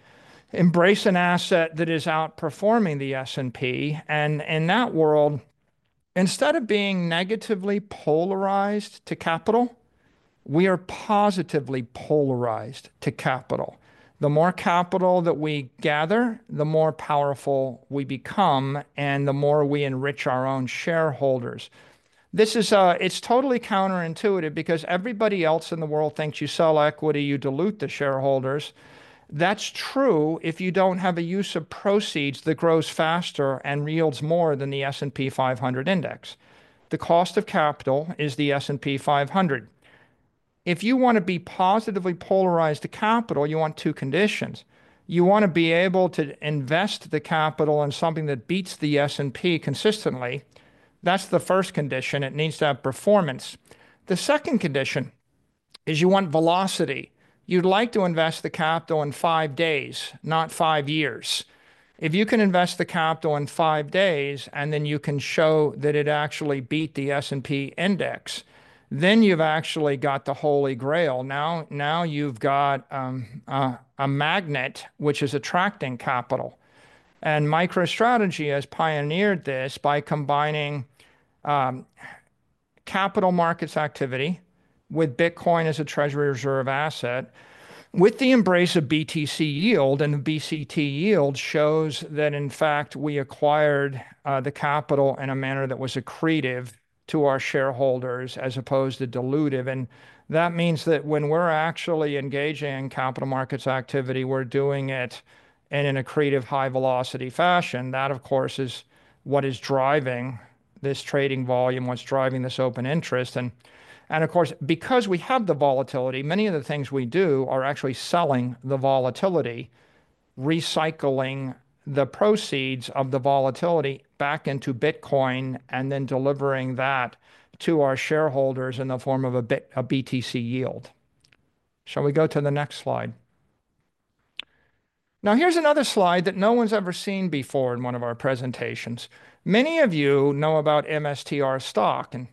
embrace an asset that is outperforming the S&P. And in that world, instead of being negatively polarized to capital, we are positively polarized to capital. The more capital that we gather, the more powerful we become, and the more we enrich our own shareholders. This is, it's totally counterintuitive because everybody else in the world thinks you sell equity, you dilute the shareholders. That's true if you don't have a use of proceeds that grows faster and yields more than the S&P 500 index. The cost of capital is the S&P 500. If you want to be positively polarized to capital, you want two conditions. You want to be able to invest the capital in something that beats the S&P consistently. That's the first condition. It needs to have performance. The second condition is you want velocity. You'd like to invest the capital in five days, not five years. If you can invest the capital in five days and then you can show that it actually beat the S&P index, then you've actually got the Holy Grail. Now you've got a magnet, which is attracting capital. MicroStrategy has pioneered this by combining capital markets activity with Bitcoin as a treasury reserve asset, with the embrace of BTC Yield and the BTC Yield shows that, in fact, we acquired the capital in a manner that was accretive to our shareholders as opposed to dilutive. That means that when we're actually engaging in capital markets activity, we're doing it in an accretive high-velocity fashion. That, of course, is what is driving this trading volume, what's driving this open interest. And of course, because we have the volatility, many of the things we do are actually selling the volatility, recycling the proceeds of the volatility back into Bitcoin, and then delivering that to our shareholders in the form of a BTC Yield. Shall we go to the next slide? Now, here's another slide that no one's ever seen before in one of our presentations. Many of you know about MSTR stock. And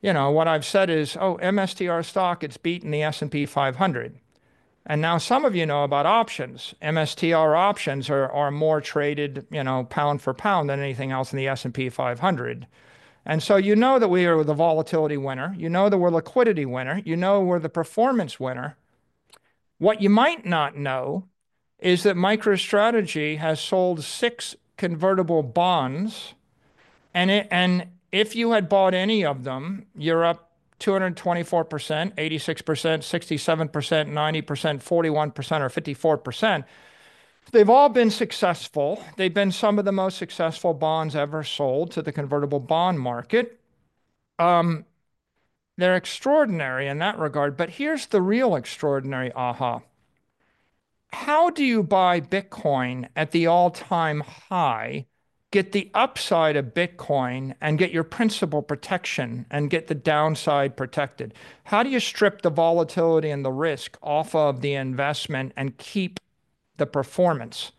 you know what I've said is, oh, MSTR stock, it's beaten the S&P 500. And now some of you know about options. MSTR options are more traded, you know, pound for pound than anything else in the S&P 500. And so you know that we are the volatility winner. You know that we're liquidity winner. You know we're the performance winner. What you might not know is that MicroStrategy has sold six convertible bonds. And if you had bought any of them, you're up 224%, 86%, 67%, 90%, 41%, or 54%. They've all been successful. They've been some of the most successful bonds ever sold to the convertible bond market. They're extraordinary in that regard. But here's the real extraordinary aha. How do you buy Bitcoin at the all-time high, get the upside of Bitcoin, and get your principal protection, and get the downside protected? How do you strip the volatility and the risk off of the investment and keep the performance?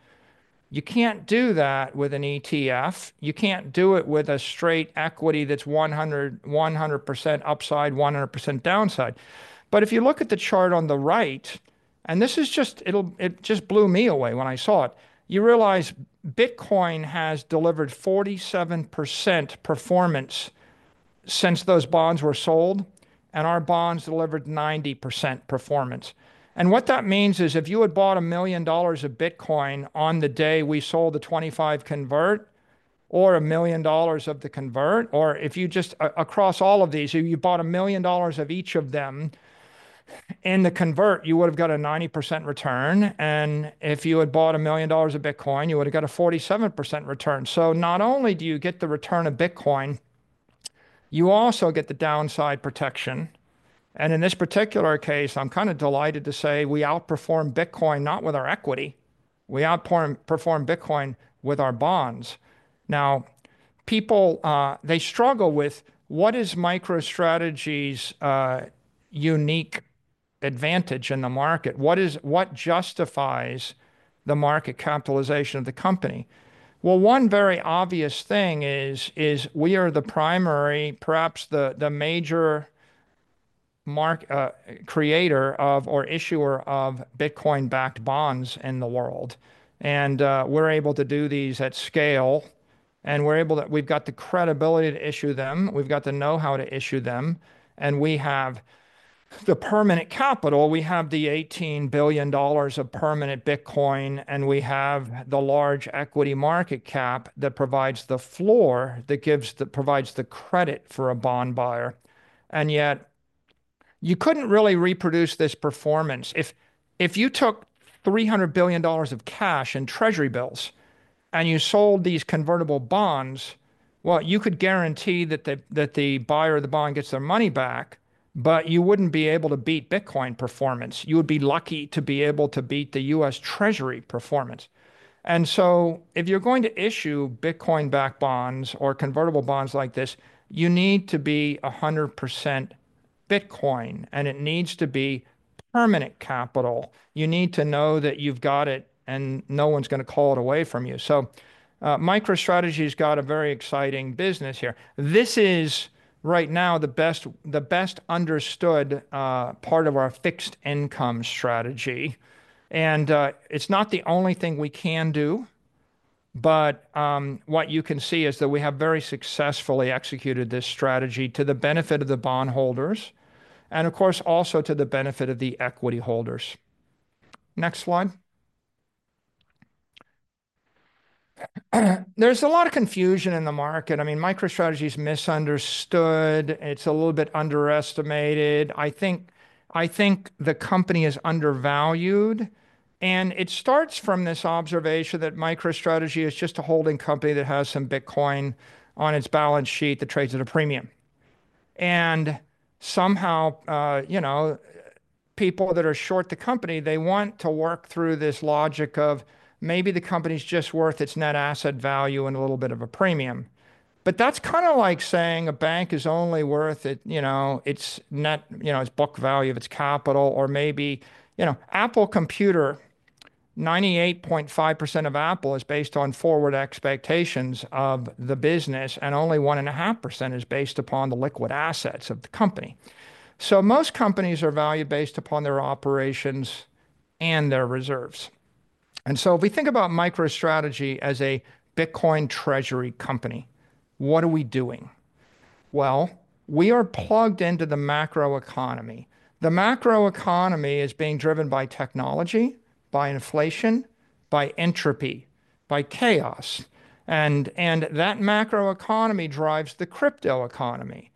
You can't do that with an ETF. You can't do it with a straight equity that's 100% upside, 100% downside. But if you look at the chart on the right, and this is just, it just blew me away when I saw it. You realize Bitcoin has delivered 47% performance since those bonds were sold, and our bonds delivered 90% performance. What that means is if you had bought $1 million of Bitcoin on the day we sold the 25 convert or $1 million of the convert, or if you just, across all of these, if you bought $1 million of each of them in the convert, you would have got a 90% return. If you had bought $1 million of Bitcoin, you would have got a 47% return. Not only do you get the return of Bitcoin, you also get the downside protection. In this particular case, I'm kind of delighted to say we outperform Bitcoin not with our equity. We outperform Bitcoin with our bonds. Now, people, they struggle with what is MicroStrategy's unique advantage in the market? What justifies the market capitalization of the company? One very obvious thing is we are the primary, perhaps the major creator of or issuer of Bitcoin-backed bonds in the world. We're able to do these at scale. We've got the credibility to issue them. We've got the know-how to issue them. We have the permanent capital. We have the $18 billion of permanent Bitcoin, and we have the large equity market cap that provides the floor that provides the credit for a bond buyer. Yet, you couldn't really reproduce this performance. If you took $300 billion of cash in treasury bills and you sold these convertible bonds, well, you could guarantee that the buyer of the bond gets their money back, but you wouldn't be able to beat Bitcoin performance. You would be lucky to be able to beat the U.S. Treasury performance. And so if you're going to issue Bitcoin-backed bonds or convertible bonds like this, you need to be 100% Bitcoin, and it needs to be permanent capital. You need to know that you've got it, and no one's going to call it away from you. So MicroStrategy has got a very exciting business here. This is right now the best understood part of our fixed income strategy. And it's not the only thing we can do, but what you can see is that we have very successfully executed this strategy to the benefit of the bondholders and, of course, also to the benefit of the equity holders. Next slide. There's a lot of confusion in the market. I mean, MicroStrategy is misunderstood. It's a little bit underestimated. I think the company is undervalued. It starts from this observation that MicroStrategy is just a holding company that has some Bitcoin on its balance sheet that trades at a premium. Somehow, you know, people that are short the company, they want to work through this logic of maybe the company's just worth its net asset value and a little bit of a premium. That's kind of like saying a bank is only worth its, you know, net book value of its capital, or maybe, you know, Apple Computer, 98.5% of Apple is based on forward expectations of the business, and only 1.5% is based upon the liquid assets of the company. Most companies are valued based upon their operations and their reserves. If we think about MicroStrategy as a Bitcoin treasury company, what are we doing? We are plugged into the macroeconomy. The macroeconomy is being driven by technology, by inflation, by entropy, by chaos, and that macroeconomy drives the crypto economy.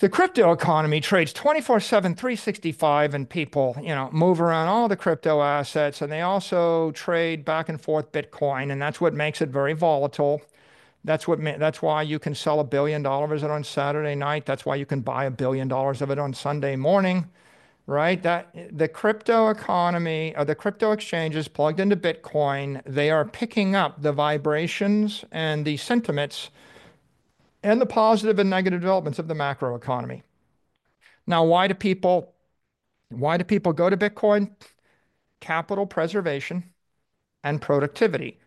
The crypto economy trades 24/7, 365, and people, you know, move around all the crypto assets, and they also trade back and forth Bitcoin, and that's what makes it very volatile. That's why you can sell a billion dollars on Saturday night. That's why you can buy a billion dollars of it on Sunday morning, right? The crypto economy, or the crypto exchanges plugged into Bitcoin, they are picking up the vibrations and the sentiments and the positive and negative developments of the macroeconomy. Now, why do people, why do people go to Bitcoin? Capital preservation and productivity,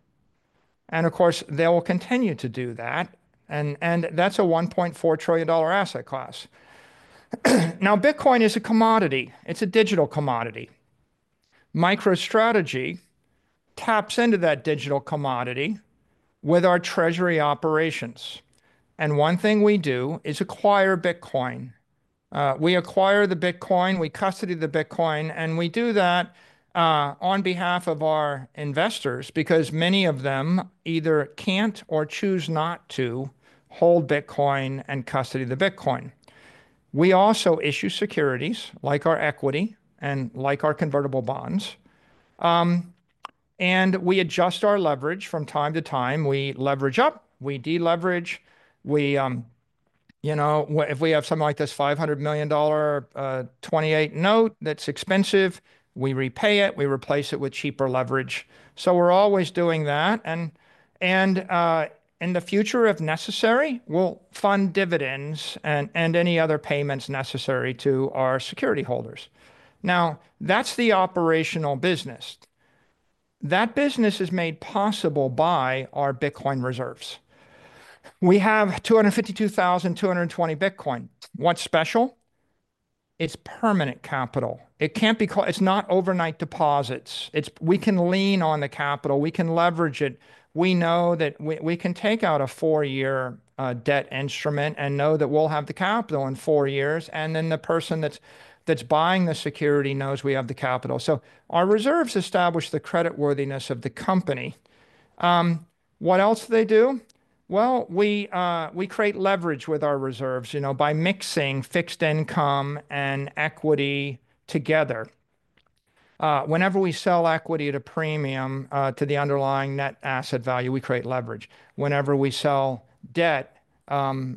and of course, they will continue to do that. And that's a $1.4 trillion asset class. Now, Bitcoin is a commodity. It's a digital commodity. MicroStrategy taps into that digital commodity with our treasury operations, and one thing we do is acquire Bitcoin. We acquire the Bitcoin. We custody the Bitcoin, and we do that on behalf of our investors because many of them either can't or choose not to hold Bitcoin and custody the Bitcoin. We also issue securities like our equity and like our convertible bonds, and we adjust our leverage from time to time. We leverage up. We deleverage. We, you know, if we have something like this $500 million '28 note, that's expensive, we repay it. We replace it with cheaper leverage, so we're always doing that, and in the future, if necessary, we'll fund dividends and any other payments necessary to our security holders. Now, that's the operational business. That business is made possible by our Bitcoin reserves. We have 252,220 Bitcoin. What's special? It's permanent capital. It can't be, it's not overnight deposits. We can lean on the capital. We can leverage it. We know that we can take out a four-year debt instrument and know that we'll have the capital in four years. And then the person that's buying the security knows we have the capital. So our reserves establish the creditworthiness of the company. What else do they do? Well, we create leverage with our reserves, you know, by mixing fixed income and equity together. Whenever we sell equity at a premium to the underlying net asset value, we create leverage. Whenever we sell debt,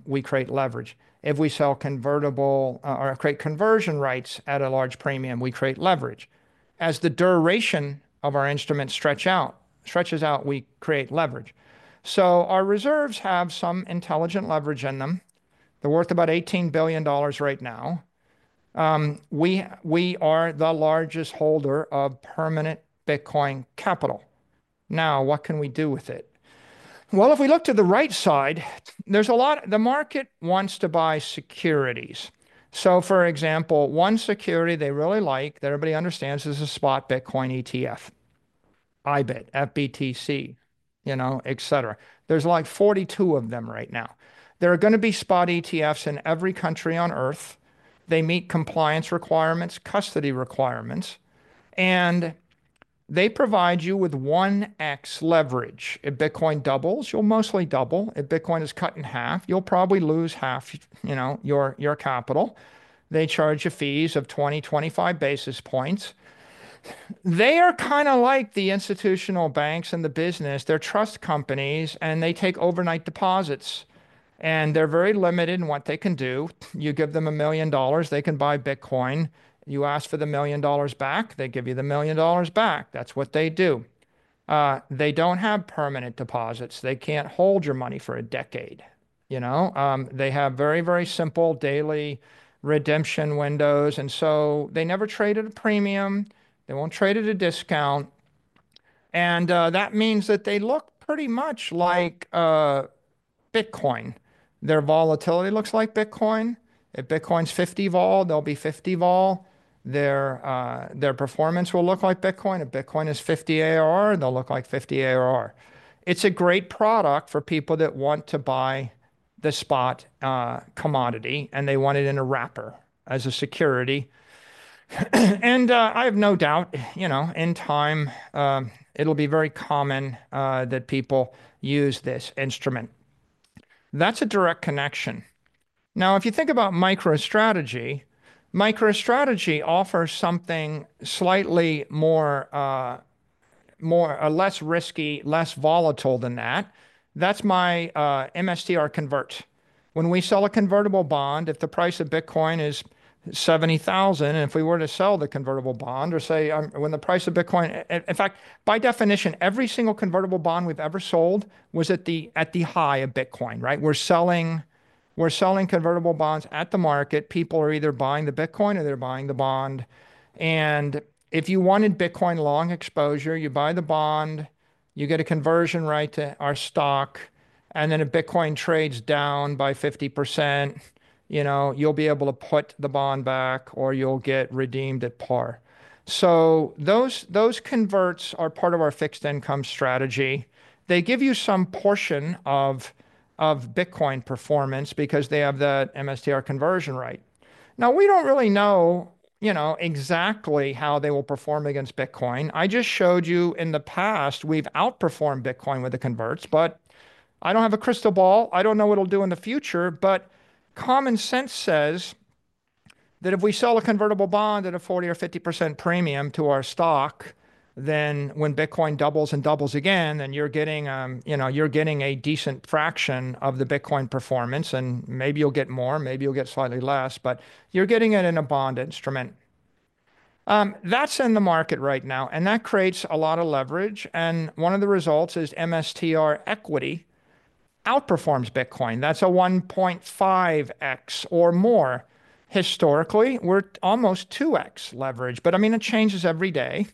we create leverage. If we sell convertible or create conversion rights at a large premium, we create leverage. As the duration of our instrument stretches out, we create leverage. So our reserves have some intelligent leverage in them. They're worth about $18 billion right now. We are the largest holder of permanent Bitcoin capital. Now, what can we do with it? If we look to the right side, there's a lot, the market wants to buy securities. So for example, one security they really like that everybody understands is a spot Bitcoin ETF, IBIT, FBTC, you know, et cetera. There's like 42 of them right now. There are going to be spot ETFs in every country on earth. They meet compliance requirements, custody requirements. They provide you with 1x leverage. If Bitcoin doubles, you'll mostly double. If Bitcoin is cut in half, you'll probably lose half, you know, your capital. They charge you fees of 20, 25 basis points. They are kind of like the institutional banks and the business. They're trust companies, and they take overnight deposits. They're very limited in what they can do. You give them $1 million, they can buy Bitcoin. You ask for the $1 million back, they give you the $1 million back. That's what they do. They don't have permanent deposits. They can't hold your money for a decade. You know, they have very, very simple daily redemption windows. And so they never trade at a premium. They won't trade at a discount. And that means that they look pretty much like Bitcoin. Their volatility looks like Bitcoin. If Bitcoin's 50 vol, they'll be 50 vol. Their performance will look like Bitcoin. If Bitcoin is 50 ARR, they'll look like 50 ARR. It's a great product for people that want to buy the spot commodity, and they want it in a wrapper as a security. And I have no doubt, you know, in time, it'll be very common that people use this instrument. That's a direct connection. Now, if you think about MicroStrategy, MicroStrategy offers something slightly more, less risky, less volatile than that. That's my MSTR convert. When we sell a convertible bond, if the price of Bitcoin is $70,000, and if we were to sell the convertible bond or say when the price of Bitcoin, in fact, by definition, every single convertible bond we've ever sold was at the high of Bitcoin, right? We're selling convertible bonds at the market. People are either buying the Bitcoin or they're buying the bond. And if you wanted Bitcoin long exposure, you buy the bond, you get a conversion right to our stock, and then if Bitcoin trades down by 50%, you know, you'll be able to put the bond back or you'll get redeemed at par. So those converts are part of our fixed income strategy. They give you some portion of Bitcoin performance because they have that MSTR conversion right. Now, we don't really know, you know, exactly how they will perform against Bitcoin. I just showed you in the past, we've outperformed Bitcoin with the converts, but I don't have a crystal ball. I don't know what it'll do in the future, but common sense says that if we sell a convertible bond at a 40% or 50% premium to our stock, then when Bitcoin doubles and doubles again, then you're getting, you know, you're getting a decent fraction of the Bitcoin performance, and maybe you'll get more, maybe you'll get slightly less, but you're getting it in a bond instrument. That's in the market right now, and that creates a lot of leverage, and one of the results is MSTR equity outperforms Bitcoin. That's a 1.5x or more. Historically, we're almost 2x leverage, but I mean, it changes every day.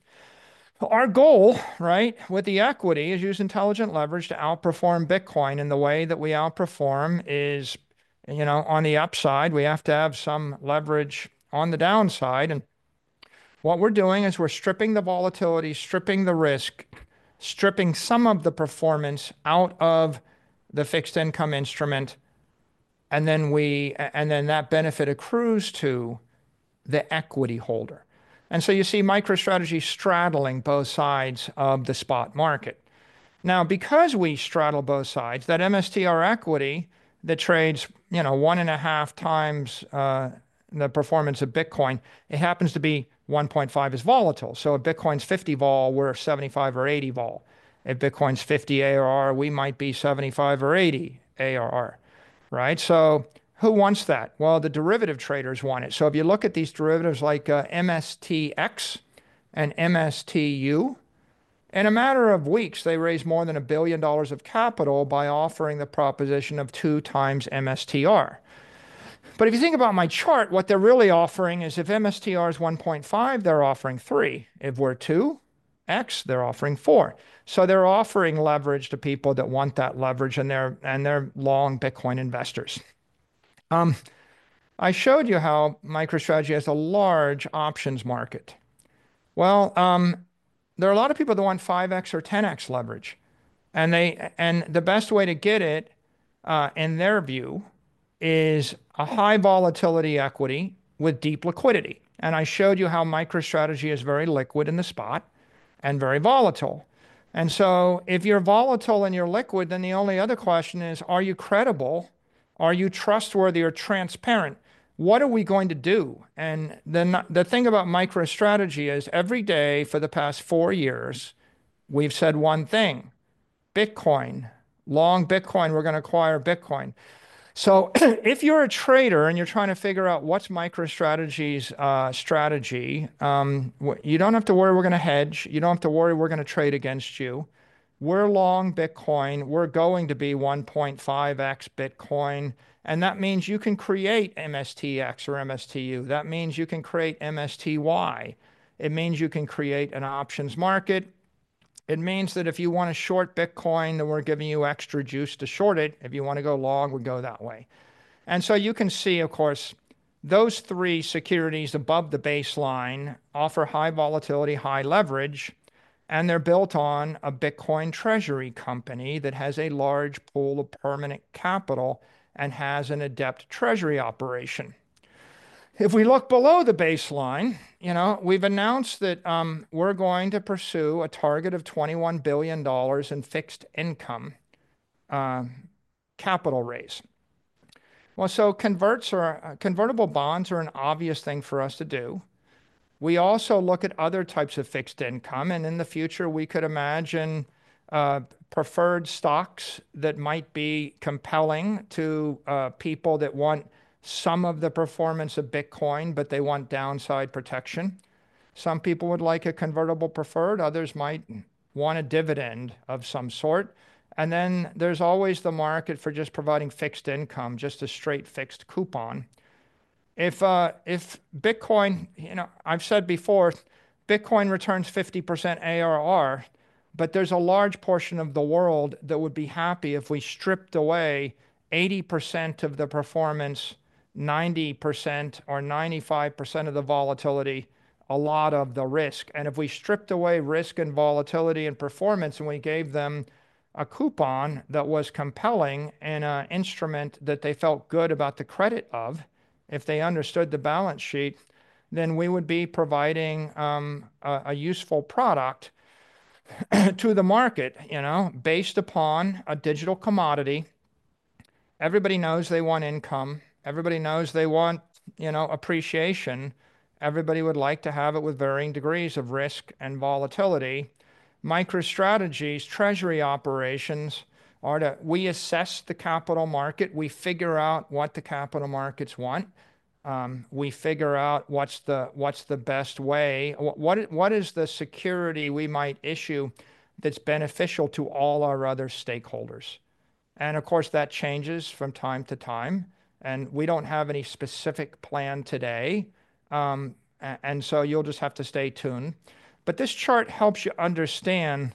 Our goal, right, with the equity is use intelligent leverage to outperform Bitcoin in the way that we outperform is, you know, on the upside, we have to have some leverage on the downside, and what we're doing is we're stripping the volatility, stripping the risk, stripping some of the performance out of the fixed income instrument, and then we, and then that benefit accrues to the equity holder, and so you see MicroStrategy straddling both sides of the spot market. Now, because we straddle both sides, that MSTR equity that trades, you know, one and a half times the performance of Bitcoin, it happens to be 1.5 is volatile. So if Bitcoin's 50 vol, we're 75 or 80 vol. If Bitcoin's 50 ARR, we might be 75 or 80 ARR, right? So who wants that? Well, the derivative traders want it. So if you look at these derivatives like MSTX and MSTU, in a matter of weeks, they raised more than $1 billion of capital by offering the proposition of two times MSTR. But if you think about my chart, what they're really offering is if MSTR is 1.5, they're offering three. If we're 2x, they're offering four. So they're offering leverage to people that want that leverage and they're long Bitcoin investors. I showed you how MicroStrategy has a large options market. Well, there are a lot of people that want 5x or 10x leverage. And the best way to get it, in their view, is a high volatility equity with deep liquidity. And I showed you how MicroStrategy is very liquid in the spot and very volatile. And so if you're volatile and you're liquid, then the only other question is, are you credible? Are you trustworthy or transparent? What are we going to do? And the thing about MicroStrategy is every day for the past four years, we've said one thing: Bitcoin, long Bitcoin, we're going to acquire Bitcoin. So if you're a trader and you're trying to figure out what's MicroStrategy's strategy, you don't have to worry we're going to hedge. You don't have to worry we're going to trade against you. We're long Bitcoin. We're going to be 1.5x Bitcoin. And that means you can create MSTX or MSTU. That means you can create MSTY. It means you can create an options market. It means that if you want to short Bitcoin, then we're giving you extra juice to short it. If you want to go long, we go that way. And so you can see, of course, those three securities above the baseline offer high volatility, high leverage, and they're built on a Bitcoin treasury company that has a large pool of permanent capital and has an adept treasury operation. If we look below the baseline, you know, we've announced that we're going to pursue a target of $21 billion in fixed income capital raise. Well, so converts or convertible bonds are an obvious thing for us to do. We also look at other types of fixed income. And in the future, we could imagine preferred stocks that might be compelling to people that want some of the performance of Bitcoin, but they want downside protection. Some people would like a convertible preferred. Others might want a dividend of some sort. And then there's always the market for just providing fixed income, just a straight fixed coupon. If Bitcoin, you know, I've said before, Bitcoin returns 50% ARR, but there's a large portion of the world that would be happy if we stripped away 80% of the performance, 90% or 95% of the volatility, a lot of the risk. If we stripped away risk and volatility and performance and we gave them a coupon that was compelling and an instrument that they felt good about the credit of, if they understood the balance sheet, then we would be providing a useful product to the market, you know, based upon a digital commodity. Everybody knows they want income. Everybody knows they want, you know, appreciation. Everybody would like to have it with varying degrees of risk and volatility. MicroStrategy's treasury operations are to assess the capital market. We figure out what the capital markets want. We figure out what's the best way. What is the security we might issue that's beneficial to all our other stakeholders? And of course, that changes from time to time. And we don't have any specific plan today. And so you'll just have to stay tuned. But this chart helps you understand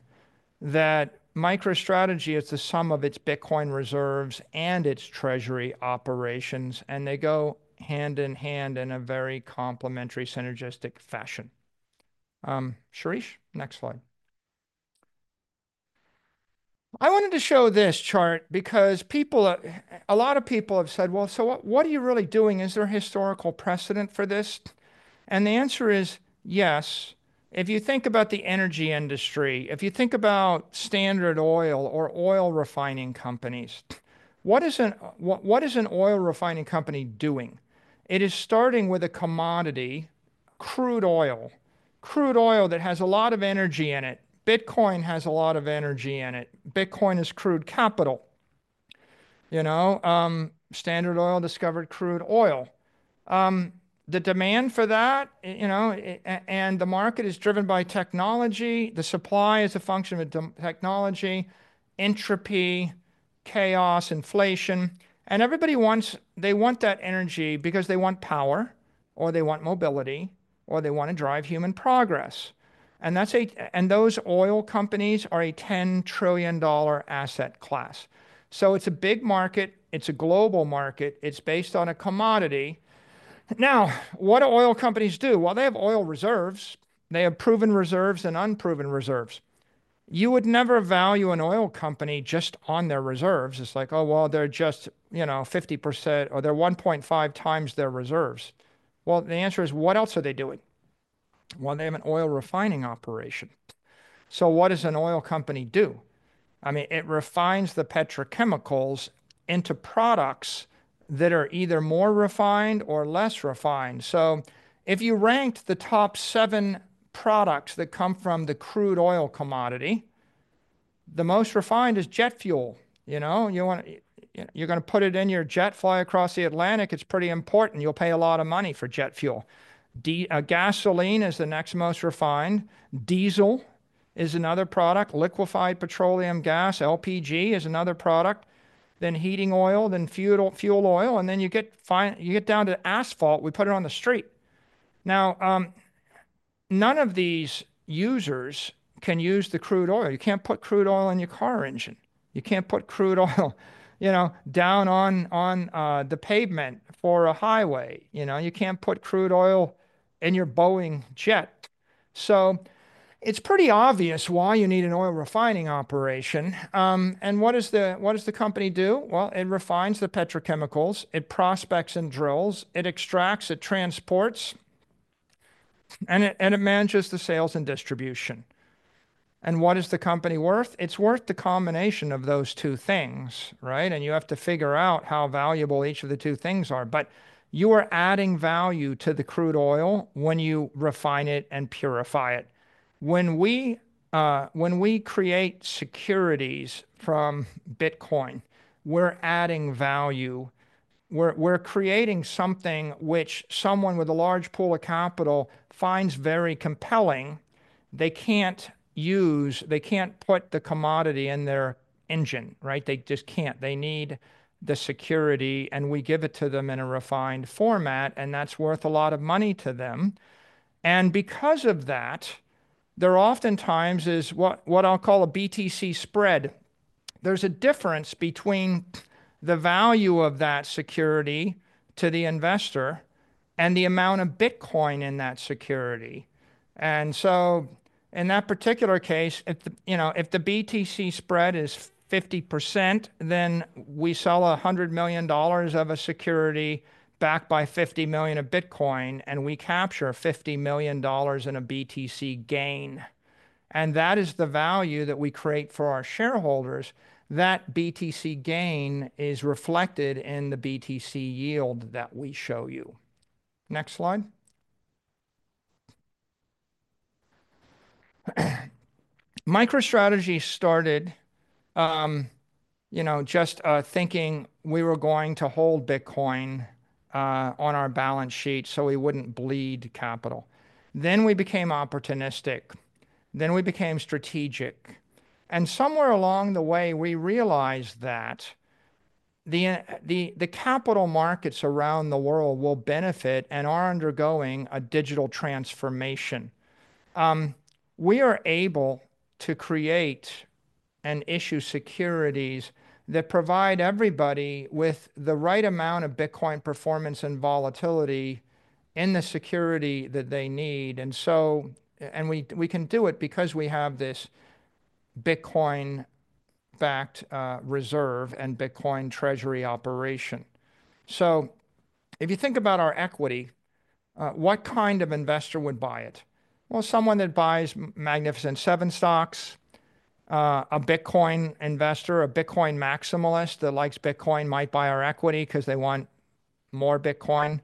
that MicroStrategy is the sum of its Bitcoin reserves and its treasury operations. And they go hand in hand in a very complementary synergistic fashion. Shirish, next slide. I wanted to show this chart because people, a lot of people have said, well, so what are you really doing? Is there a historical precedent for this? And the answer is yes. If you think about the energy industry, if you think about Standard Oil or oil refining companies, what is an oil refining company doing? It is starting with a commodity, crude oil, crude oil that has a lot of energy in it. Bitcoin has a lot of energy in it. Bitcoin is crude capital. You know, Standard Oil discovered crude oil. The demand for that, you know, and the market is driven by technology. The supply is a function of technology, entropy, chaos, inflation. And everybody wants, they want that energy because they want power or they want mobility or they want to drive human progress. And that's, and those oil companies are a $10 trillion asset class. So it's a big market. It's a global market. It's based on a commodity. Now, what do oil companies do? Well, they have oil reserves. They have proven reserves and unproven reserves. You would never value an oil company just on their reserves. It's like, oh, well, they're just, you know, 50% or they're 1.5 times their reserves. Well, the answer is what else are they doing? They have an oil refining operation. What does an oil company do? I mean, it refines the petrochemicals into products that are either more refined or less refined. If you ranked the top seven products that come from the crude oil commodity, the most refined is jet fuel. You know, you want to, you're going to put it in your jet, fly across the Atlantic. It's pretty important. You'll pay a lot of money for jet fuel. Gasoline is the next most refined. Diesel is another product. Liquefied petroleum gas, LPG, is another product. Then heating oil, then fuel oil. Then you get finally, you get down to asphalt. We put it on the street. Now, none of these users can use the crude oil. You can't put crude oil in your car engine. You can't put crude oil, you know, down on the pavement for a highway. You know, you can't put crude oil in your Boeing jet. So it's pretty obvious why you need an oil refining operation. And what does the company do? Well, it refines the petrochemicals. It prospects and drills. It extracts. It transports. And it manages the sales and distribution. And what is the company worth? It's worth the combination of those two things, right? And you have to figure out how valuable each of the two things are. But you are adding value to the crude oil when you refine it and purify it. When we create securities from Bitcoin, we're adding value. We're creating something which someone with a large pool of capital finds very compelling. They can't use, they can't put the commodity in their engine, right? They just can't. They need the security, and we give it to them in a refined format, and that's worth a lot of money to them, and because of that, there oftentimes is what I'll call a BTC spread. There's a difference between the value of that security to the investor and the amount of Bitcoin in that security, and so in that particular case, you know, if the BTC spread is 50%, then we sell $100 million of a security backed by 50 million of Bitcoin, and we capture $50 million in a BTC gain, and that is the value that we create for our shareholders. That BTC gain is reflected in the BTC Yield that we show you. Next slide. MicroStrategy started, you know, just thinking we were going to hold Bitcoin on our balance sheet so we wouldn't bleed capital, then we became opportunistic, then we became strategic. And somewhere along the way, we realized that the capital markets around the world will benefit and are undergoing a digital transformation. We are able to create and issue securities that provide everybody with the right amount of Bitcoin performance and volatility in the security that they need. And so, we can do it because we have this Bitcoin-backed reserve and Bitcoin treasury operation. So if you think about our equity, what kind of investor would buy it? Well, someone that buys Magnificent Seven stocks, a Bitcoin investor, a Bitcoin maximalist that likes Bitcoin might buy our equity because they want more Bitcoin.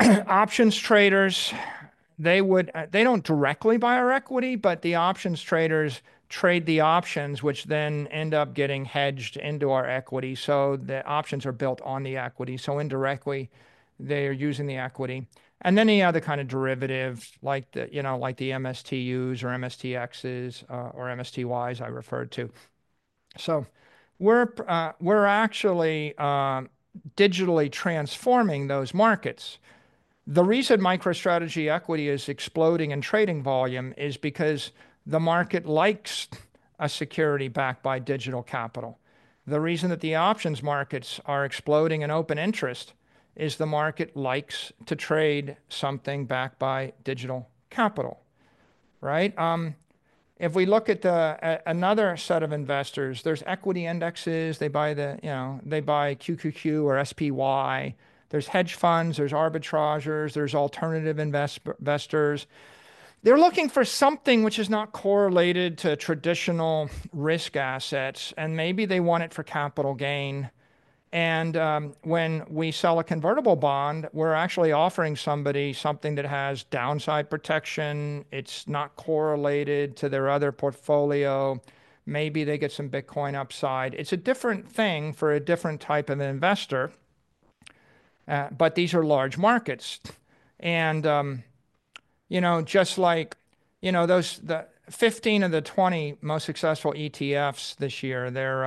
Options traders, they would. They don't directly buy our equity, but the options traders trade the options, which then end up getting hedged into our equity. So the options are built on the equity. So indirectly, they are using the equity. And then any other kind of derivative, like, you know, the MSTUs or MSTXs or MSTYs I referred to. So we're actually digitally transforming those markets. The reason MicroStrategy equity is exploding in trading volume is because the market likes a security backed by digital capital. The reason that the options markets are exploding in open interest is the market likes to trade something backed by digital capital, right? If we look at another set of investors, there's equity indexes. They buy the, you know, they buy QQQ or SPY. There's hedge funds. There's arbitrageurs. There's alternative investors. They're looking for something which is not correlated to traditional risk assets. And maybe they want it for capital gain. And when we sell a convertible bond, we're actually offering somebody something that has downside protection. It's not correlated to their other portfolio. Maybe they get some Bitcoin upside. It's a different thing for a different type of investor. But these are large markets. And, you know, just like, you know, those 15 of the 20 most successful ETFs this year, they're,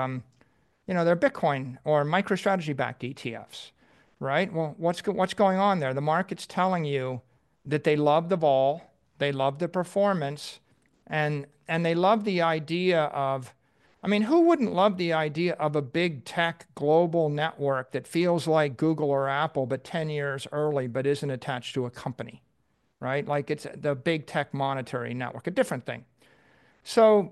you know, they're Bitcoin or MicroStrategy-backed ETFs, right? Well, what's going on there? The market's telling you that they love the BTC. They love the performance. And they love the idea of, I mean, who wouldn't love the idea of a big tech global network that feels like Google or Apple, but 10 years early, but isn't attached to a company, right? Like it's the big tech monetary network, a different thing. So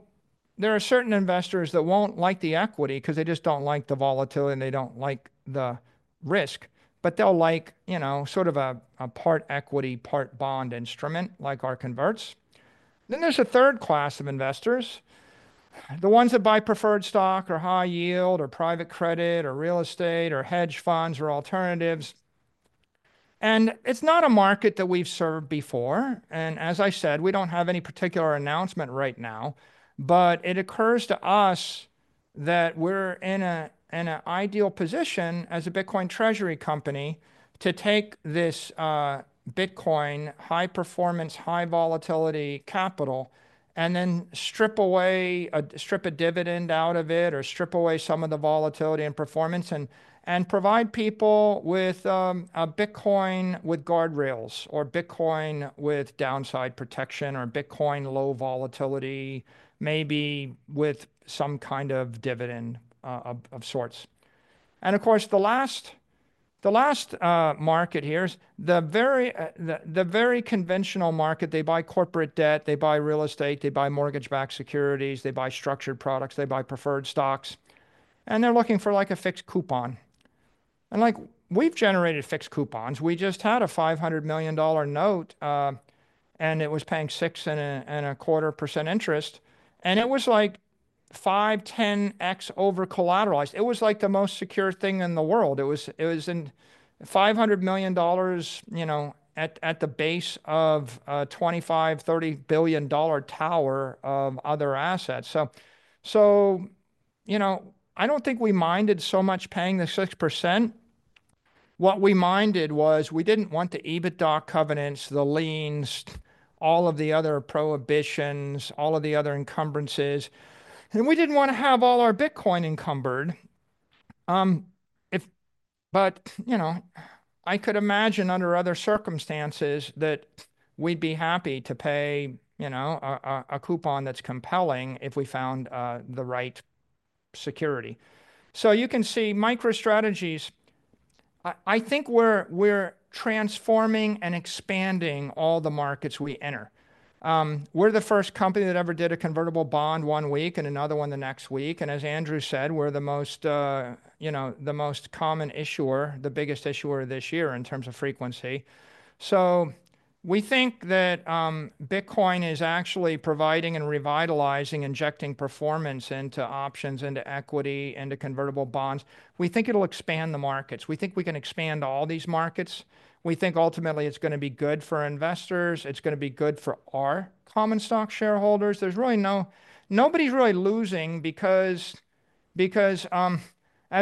there are certain investors that won't like the equity because they just don't like the volatility and they don't like the risk. But they'll like, you know, sort of a part equity, part bond instrument like our converts. Then there's a third class of investors, the ones that buy preferred stock or high yield or private credit or real estate or hedge funds or alternatives. And it's not a market that we've served before. And as I said, we don't have any particular announcement right now. But it occurs to us that we're in an ideal position as a Bitcoin treasury company to take this Bitcoin high performance, high volatility capital and then strip away, strip a dividend out of it or strip away some of the volatility and performance and provide people with a Bitcoin with guardrails or Bitcoin with downside protection or Bitcoin low volatility, maybe with some kind of dividend of sorts. And of course, the last market here is the very conventional market. They buy corporate debt. They buy real estate. They buy mortgage-backed securities. They buy structured products. They buy preferred stocks. And they're looking for like a fixed coupon. And like we've generated fixed coupons. We just had a $500 million note and it was paying 6.25% interest. And it was like 5-10x over-collateralized. It was like the most secure thing in the world. It was in $500 million, you know, at the base of a $25-$30 billion tower of other assets. So, you know, I don't think we minded so much paying the 6%. What we minded was we didn't want the EBITDA covenants, the liens, all of the other prohibitions, all of the other encumbrances. And we didn't want to have all our Bitcoin encumbered. But, you know, I could imagine under other circumstances that we'd be happy to pay, you know, a coupon that's compelling if we found the right security. So you can see MicroStrategy. I think we're transforming and expanding all the markets we enter. We're the first company that ever did a convertible bond one week and another one the next week. And as Andrew said, we're the most, you know, the most common issuer, the biggest issuer this year in terms of frequency. So we think that Bitcoin is actually providing and revitalizing, injecting performance into options, into equity, into convertible bonds. We think it'll expand the markets. We think we can expand all these markets. We think ultimately it's going to be good for investors. It's going to be good for our common stock shareholders. There's really no, nobody's really losing because, as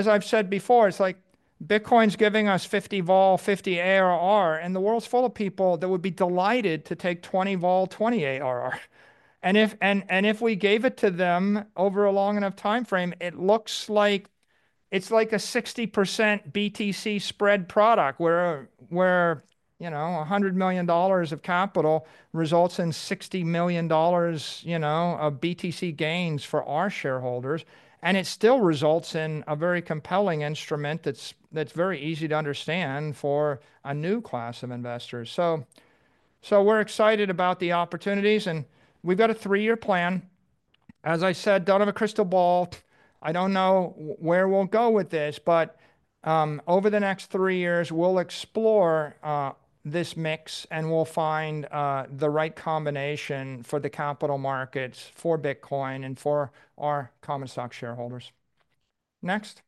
I've said before, it's like Bitcoin's giving us 50 vol, 50 ARR, and the world's full of people that would be delighted to take 20 vol, 20 ARR. And if we gave it to them over a long enough timeframe, it looks like it's like a 60% BTC spread product where you know $100 million of capital results in $60 million you know of BTC gains for our shareholders. It still results in a very compelling instrument that's very easy to understand for a new class of investors. We're excited about the opportunities and we've got a three-year plan. As I said, don't have a crystal ball. I don't know where we'll go with this, but over the next three years, we'll explore this mix and we'll find the right combination for the capital markets for Bitcoin and for our common stock shareholders. Next.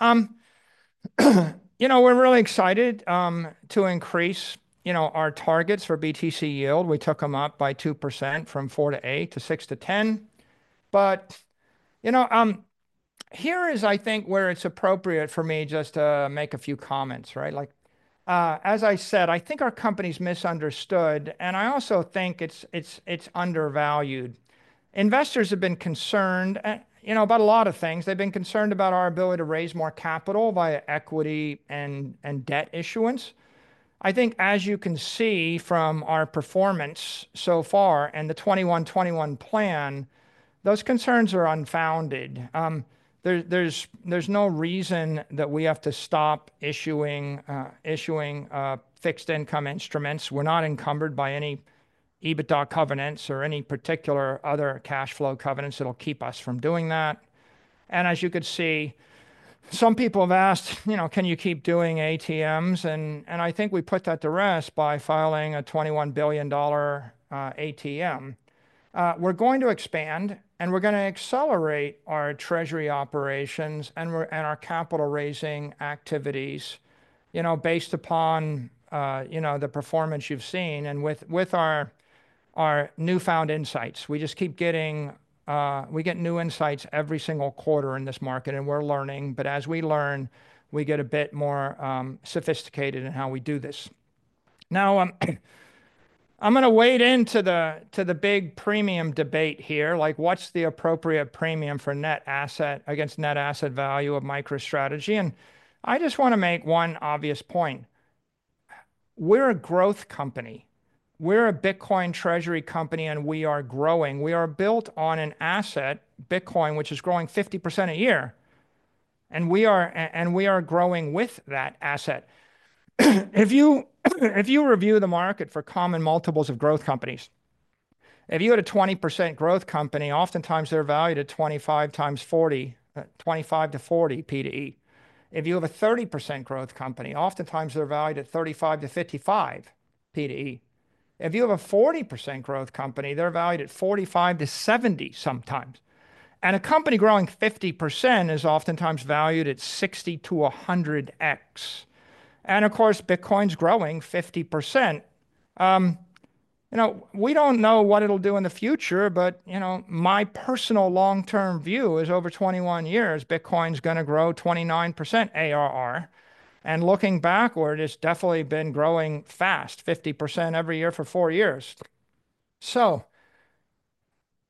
You know, we're really excited to increase you know our targets for BTC Yield. We took them up by 2% from 4%-8% to 6%-10%. You know, here is, I think, where it's appropriate for me just to make a few comments, right? Like, as I said, I think our company's misunderstood and I also think it's undervalued. Investors have been concerned, you know, about a lot of things. They've been concerned about our ability to raise more capital via equity and debt issuance. I think as you can see from our performance so far and the 21/21 Plan, those concerns are unfounded. There's no reason that we have to stop issuing fixed income instruments. We're not encumbered by any EBITDA covenants or any particular other cash flow covenants that'll keep us from doing that. And as you could see, some people have asked, you know, can you keep doing ATMs? I think we put that to rest by filing a $21 billion ATM. We're going to expand and we're going to accelerate our treasury operations and our capital raising activities, you know, based upon, you know, the performance you've seen and with our newfound insights. We just keep getting new insights every single quarter in this market and we're learning. But as we learn, we get a bit more sophisticated in how we do this. Now, I'm going to wade into the big premium debate here. Like what's the appropriate premium for net asset against net asset value of MicroStrategy? And I just want to make one obvious point. We're a growth company. We're a Bitcoin treasury company and we are growing. We are built on an asset, Bitcoin, which is growing 50% a year. And we are growing with that asset. If you review the market for common multiples of growth companies, if you had a 20% growth company, oftentimes they're valued at 25 to 40 P/E. If you have a 30% growth company, oftentimes they're valued at 35 to 55 P/E. If you have a 40% growth company, they're valued at 45 to 70 sometimes. And a company growing 50% is oftentimes valued at 60 to 100x. And of course, Bitcoin's growing 50%. You know, we don't know what it'll do in the future, but you know, my personal long-term view is over 21 years, Bitcoin's going to grow 29% ARR. And looking backward, it's definitely been growing fast, 50% every year for four years. So,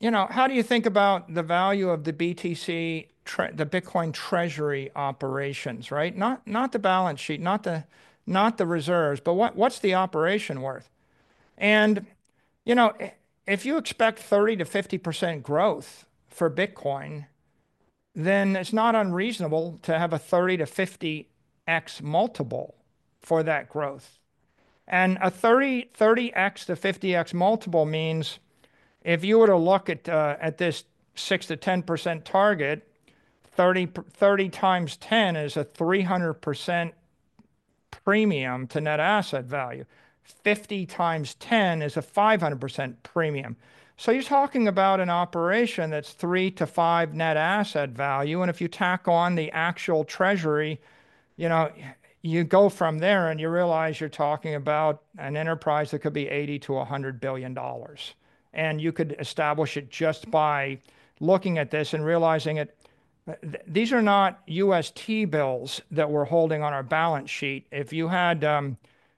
you know, how do you think about the value of the BTC, the Bitcoin treasury operations, right? Not, not the balance sheet, not the, not the reserves, but what, what's the operation worth? And, you know, if you expect 30%-50% growth for Bitcoin, then it's not unreasonable to have a 30x-50x multiple for that growth. And a 30, 30x to 50x multiple means if you were to look at, at this 6%-10% target, 30, 30 times 10 is a 300% premium to net asset value. 50 times 10 is a 500% premium. So you're talking about an operation that's three to five net asset value. And if you tack on the actual treasury, you know, you go from there and you realize you're talking about an enterprise that could be $80-$100 billion. You could establish it just by looking at this and realizing it. These are not U.S. Treasury bills that we're holding on our balance sheet. If you had a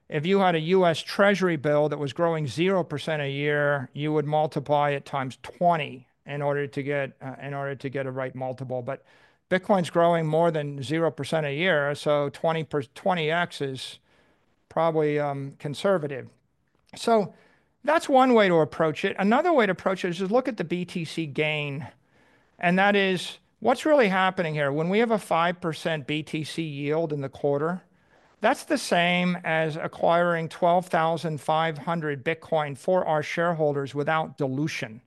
U.S. Treasury bill that was growing 0% a year, you would multiply it times 20 in order to get a right multiple. Bitcoin's growing more than 0% a year. 20x is probably conservative. That's one way to approach it. Another way to approach it is just look at the BTC gain. That is what's really happening here. When we have a 5% BTC Yield in the quarter, that's the same as acquiring 12,500 Bitcoin for our shareholders without dilution.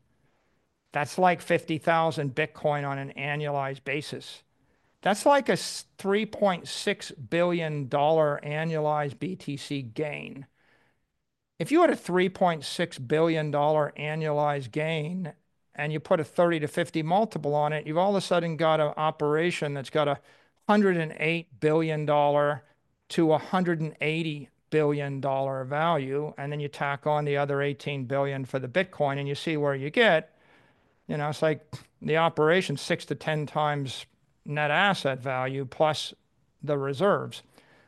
That's like 50,000 Bitcoin on an annualized basis. That's like a $3.6 billion annualized BTC gain. If you had a $3.6 billion annualized gain and you put a 30-50 multiple on it, you've all of a sudden got an operation that's got a $108 billion-$180 billion value, and then you tack on the other $18 billion for the Bitcoin and you see where you get, you know, it's like the operation's 6-10 times net asset value plus the reserves,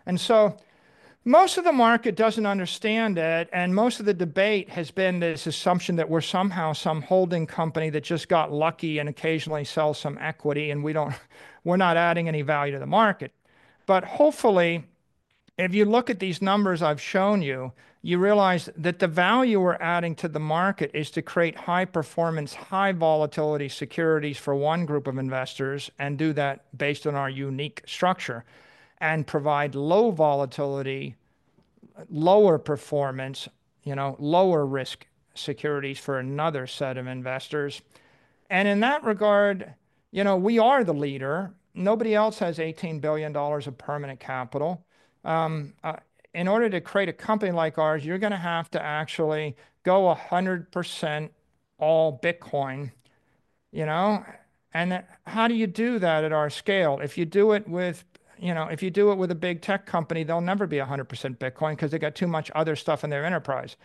and so most of the market doesn't understand it, and most of the debate has been this assumption that we're somehow some holding company that just got lucky and occasionally sells some equity, and we don't, we're not adding any value to the market. But hopefully, if you look at these numbers I've shown you, you realize that the value we're adding to the market is to create high performance, high volatility securities for one group of investors and do that based on our unique structure and provide low volatility, lower performance, you know, lower risk securities for another set of investors. And in that regard, you know, we are the leader. Nobody else has $18 billion of permanent capital. In order to create a company like ours, you're going to have to actually go 100% all Bitcoin, you know. And how do you do that at our scale? If you do it with a big tech company, they'll never be 100% Bitcoin because they got too much other stuff in their enterprise.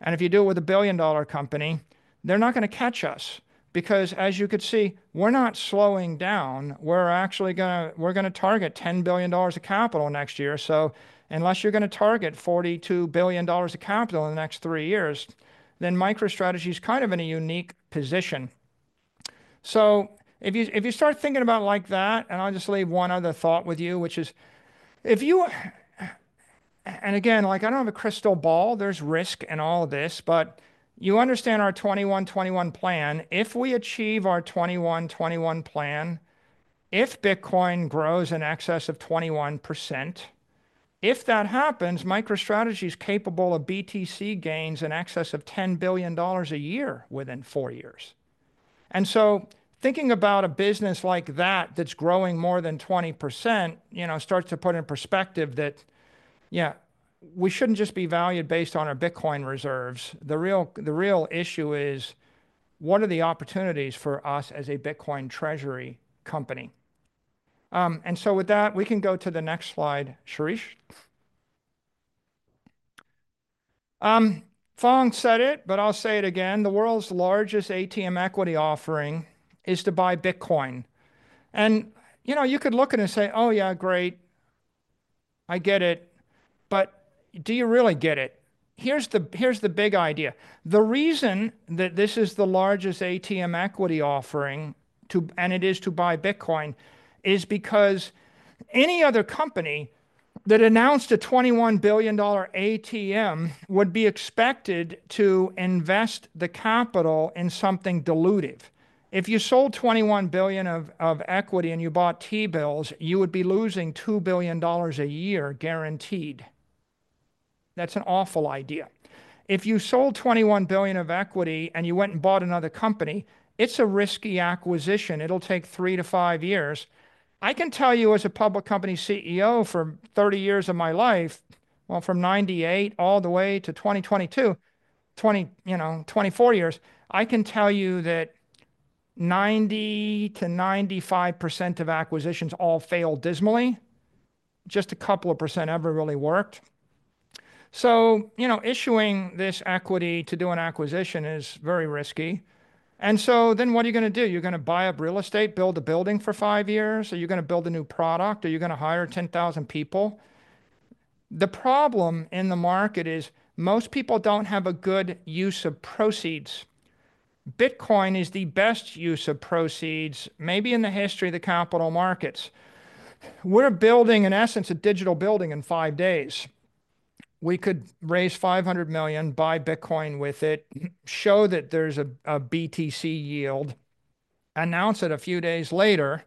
And if you do it with a billion dollar company, they're not going to catch us because, as you could see, we're not slowing down. We're actually going to target $10 billion of capital next year. So unless you're going to target $42 billion of capital in the next three years, then MicroStrategy is kind of in a unique position. So if you start thinking about it like that, and I'll just leave one other thought with you, which is if you, and again, like I don't have a crystal ball, there's risk in all of this, but you understand our 21/21 plan. If we achieve our 21/21 plan, if Bitcoin grows in excess of 21%, if that happens, MicroStrategy is capable of BTC gains in excess of $10 billion a year within four years. And so thinking about a business like that, that's growing more than 20%, you know, starts to put in perspective that, yeah, we shouldn't just be valued based on our Bitcoin reserves. The real, the real issue is what are the opportunities for us as a Bitcoin treasury company? And so with that, we can go to the next slide, Shirish. Phong said it, but I'll say it again. The world's largest ATM equity offering is to buy Bitcoin. And you know, you could look at it and say, oh yeah, great, I get it. But do you really get it? Here's the, here's the big idea. The reason that this is the largest ATM equity offering to, and it is to buy Bitcoin is because any other company that announced a $21 billion ATM would be expected to invest the capital in something dilutive. If you sold $21 billion of equity and you bought T-bills, you would be losing $2 billion a year guaranteed. That's an awful idea. If you sold $21 billion of equity and you went and bought another company, it's a risky acquisition. It'll take three to five years. I can tell you as a public company CEO for 30 years of my life, well, from 1998 all the way to 2022, 20, you know, 24 years, I can tell you that 90%-95% of acquisitions all failed dismally. Just a couple of percent ever really worked. So, you know, issuing this equity to do an acquisition is very risky. And so then what are you going to do? You're going to buy up real estate, build a building for five years. Are you going to build a new product? Are you going to hire 10,000 people? The problem in the market is most people don't have a good use of proceeds. Bitcoin is the best use of proceeds maybe in the history of the capital markets. We're building in essence a digital building in five days. We could raise $500 million, buy Bitcoin with it, show that there's a BTC Yield, announce it a few days later,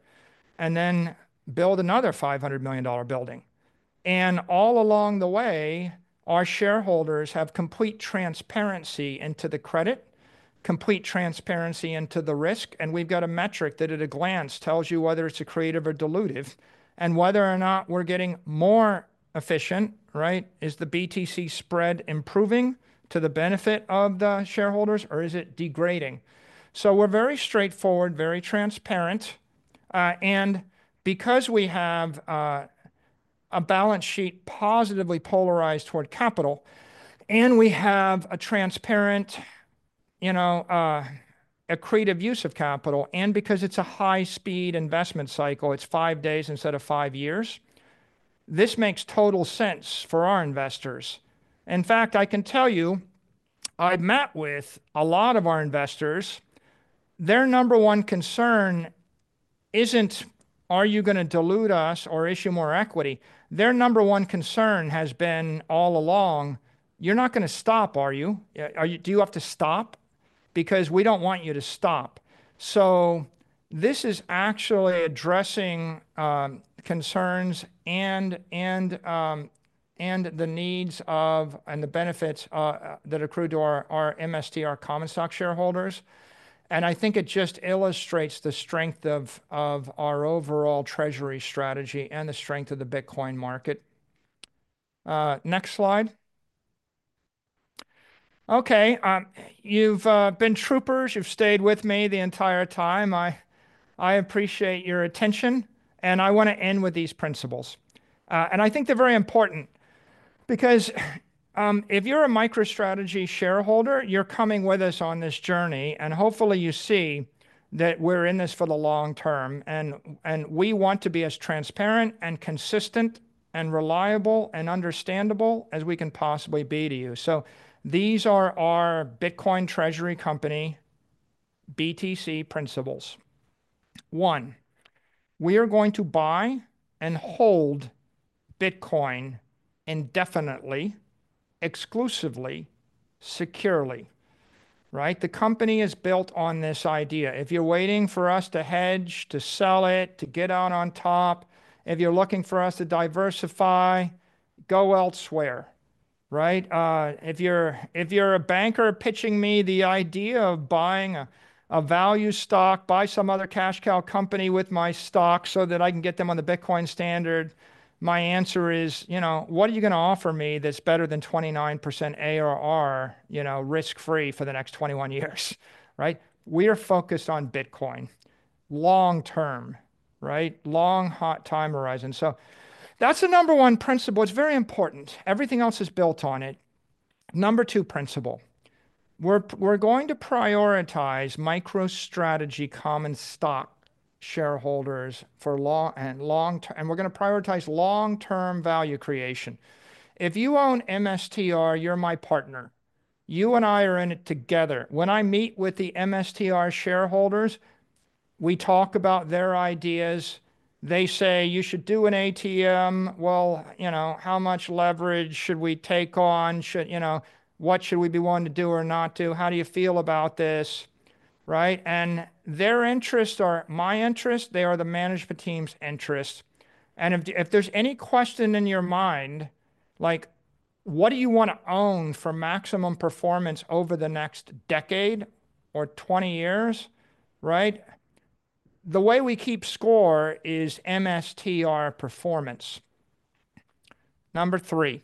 and then build another $500 million building. And all along the way, our shareholders have complete transparency into the credit, complete transparency into the risk. And we've got a metric that at a glance tells you whether it's a creative or dilutive and whether or not we're getting more efficient, right? Is the BTC spread improving to the benefit of the shareholders or is it degrading? So we're very straightforward, very transparent. Because we have a balance sheet positively polarized toward capital and we have a transparent, you know, a creative use of capital, and because it's a high-speed investment cycle, it's five days instead of five years, this makes total sense for our investors. In fact, I can tell you, I've met with a lot of our investors. Their number one concern isn't, are you going to dilute us or issue more equity? Their number one concern has been all along, you're not going to stop, are you? Are you, do you have to stop? Because we don't want you to stop. So this is actually addressing concerns and the needs of and the benefits that accrue to our MST, our common stock shareholders. And I think it just illustrates the strength of our overall treasury strategy and the strength of the Bitcoin market. Next slide. Okay. You've been troopers. You've stayed with me the entire time. I, I appreciate your attention and I want to end with these principles. And I think they're very important because if you're a MicroStrategy shareholder, you're coming with us on this journey. And hopefully you see that we're in this for the long term. And, and we want to be as transparent and consistent and reliable and understandable as we can possibly be to you. So these are our Bitcoin treasury company BTC principles. One, we are going to buy and hold Bitcoin indefinitely, exclusively, securely, right? The company is built on this idea. If you're waiting for us to hedge, to sell it, to get out on top, if you're looking for us to diversify, go elsewhere, right? If you're a banker pitching me the idea of buying a value stock, buy some other cash cow company with my stock so that I can get them on the Bitcoin standard, my answer is, you know, what are you going to offer me that's better than 29% ARR, you know, risk-free for the next 21 years, right? We are focused on Bitcoin long term, right? Long-term time horizon. So that's the number one principle. It's very important. Everything else is built on it. Number two principle, we're going to prioritize MicroStrategy common stock shareholders for long term, and we're going to prioritize long-term value creation. If you own MSTR, you're my partner. You and I are in it together. When I meet with the MSTR shareholders, we talk about their ideas. They say, you should do an ATM. You know, how much leverage should we take on? Should, you know, what should we be wanting to do or not do? How do you feel about this? Right? And their interests are my interests. They are the management team's interests. And if there's any question in your mind, like what do you want to own for maximum performance over the next decade or 20 years, right? The way we keep score is MSTR performance. Number three,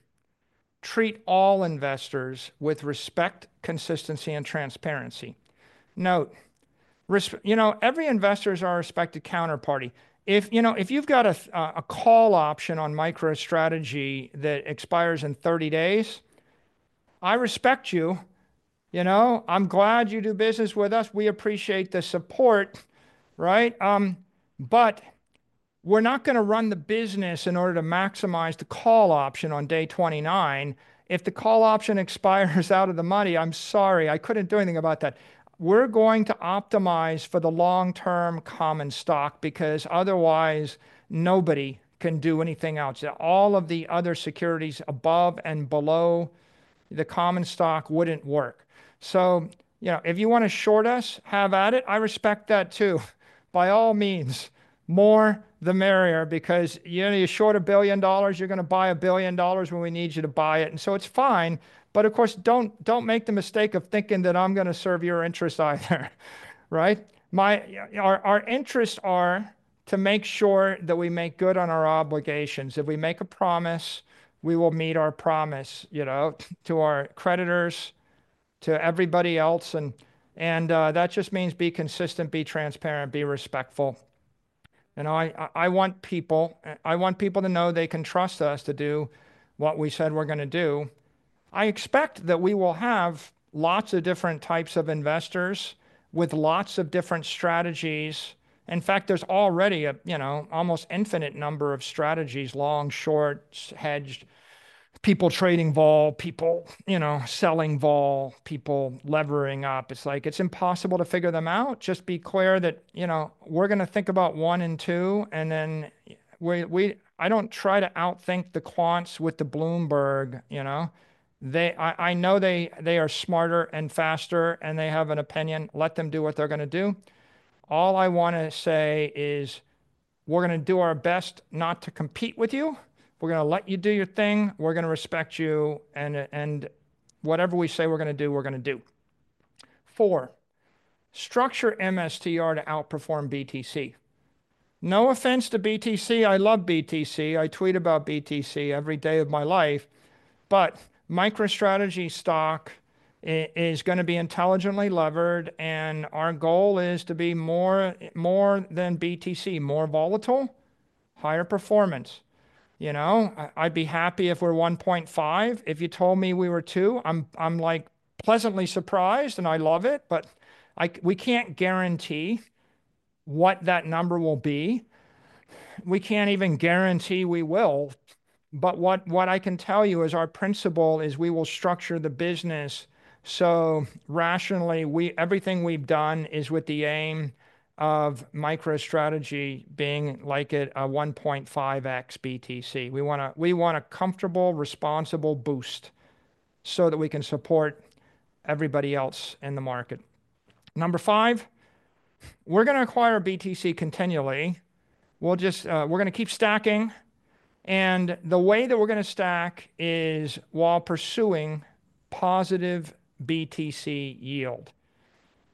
treat all investors with respect, consistency, and transparency. Note, you know, every investor is our respected counterparty. If, you know, if you've got a call option on MicroStrategy that expires in 30 days, I respect you. You know, I'm glad you do business with us. We appreciate the support, right? But we're not going to run the business in order to maximize the call option on day 29. If the call option expires out of the money, I'm sorry, I couldn't do anything about that. We're going to optimize for the long-term common stock because otherwise nobody can do anything else. All of the other securities above and below the common stock wouldn't work. So, you know, if you want to short us, have at it. I respect that too. By all means, more the merrier because you know, you short a billion dollars, you're going to buy a billion dollars when we need you to buy it. And so it's fine. But of course, don't, don't make the mistake of thinking that I'm going to serve your interests either, right? My, our, our interests are to make sure that we make good on our obligations. If we make a promise, we will meet our promise, you know, to our creditors, to everybody else. That just means be consistent, be transparent, be respectful. I want people to know they can trust us to do what we said we're going to do. I expect that we will have lots of different types of investors with lots of different strategies. In fact, there's already, you know, almost infinite number of strategies, long, short, hedged, people trading vol, people, you know, selling vol, people leveraging up. It's like, it's impossible to figure them out. Just be clear that, you know, we're going to think about one and two. And then I don't try to outthink the quants with the Bloomberg, you know, I know they are smarter and faster and they have an opinion. Let them do what they're going to do. All I want to say is we're going to do our best not to compete with you. We're going to let you do your thing. We're going to respect you. And, and whatever we say we're going to do, we're going to do. For, structure MSTR to outperform BTC. No offense to BTC. I love BTC. I tweet about BTC every day of my life. But MicroStrategy stock is going to be intelligently levered. And our goal is to be more, more than BTC, more volatile, higher performance. You know, I'd be happy if we're 1.5. If you told me we were two, I'm, I'm like pleasantly surprised and I love it. But I, we can't guarantee what that number will be. We can't even guarantee we will. But what I can tell you is our principle is we will structure the business so rationally, everything we've done is with the aim of MicroStrategy being like at a 1.5x BTC. We want a comfortable, responsible boost so that we can support everybody else in the market. Number five, we're going to acquire BTC continually. We'll just, we're going to keep stacking. And the way that we're going to stack is while pursuing positive BTC Yield.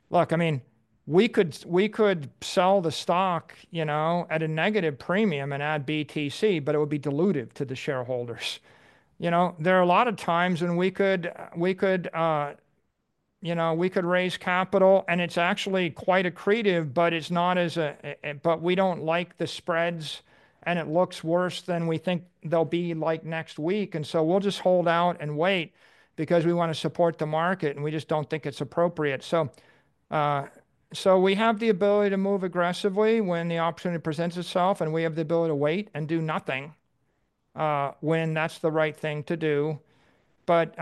Look, I mean, we could sell the stock, you know, at a negative premium and add BTC, but it would be dilutive to the shareholders. You know, there are a lot of times when we could, you know, we could raise capital and it's actually quite accretive, but we don't like the spreads and it looks worse than we think they'll be like next week. And so we'll just hold out and wait because we want to support the market and we just don't think it's appropriate. So we have the ability to move aggressively when the opportunity presents itself and we have the ability to wait and do nothing when that's the right thing to do. But,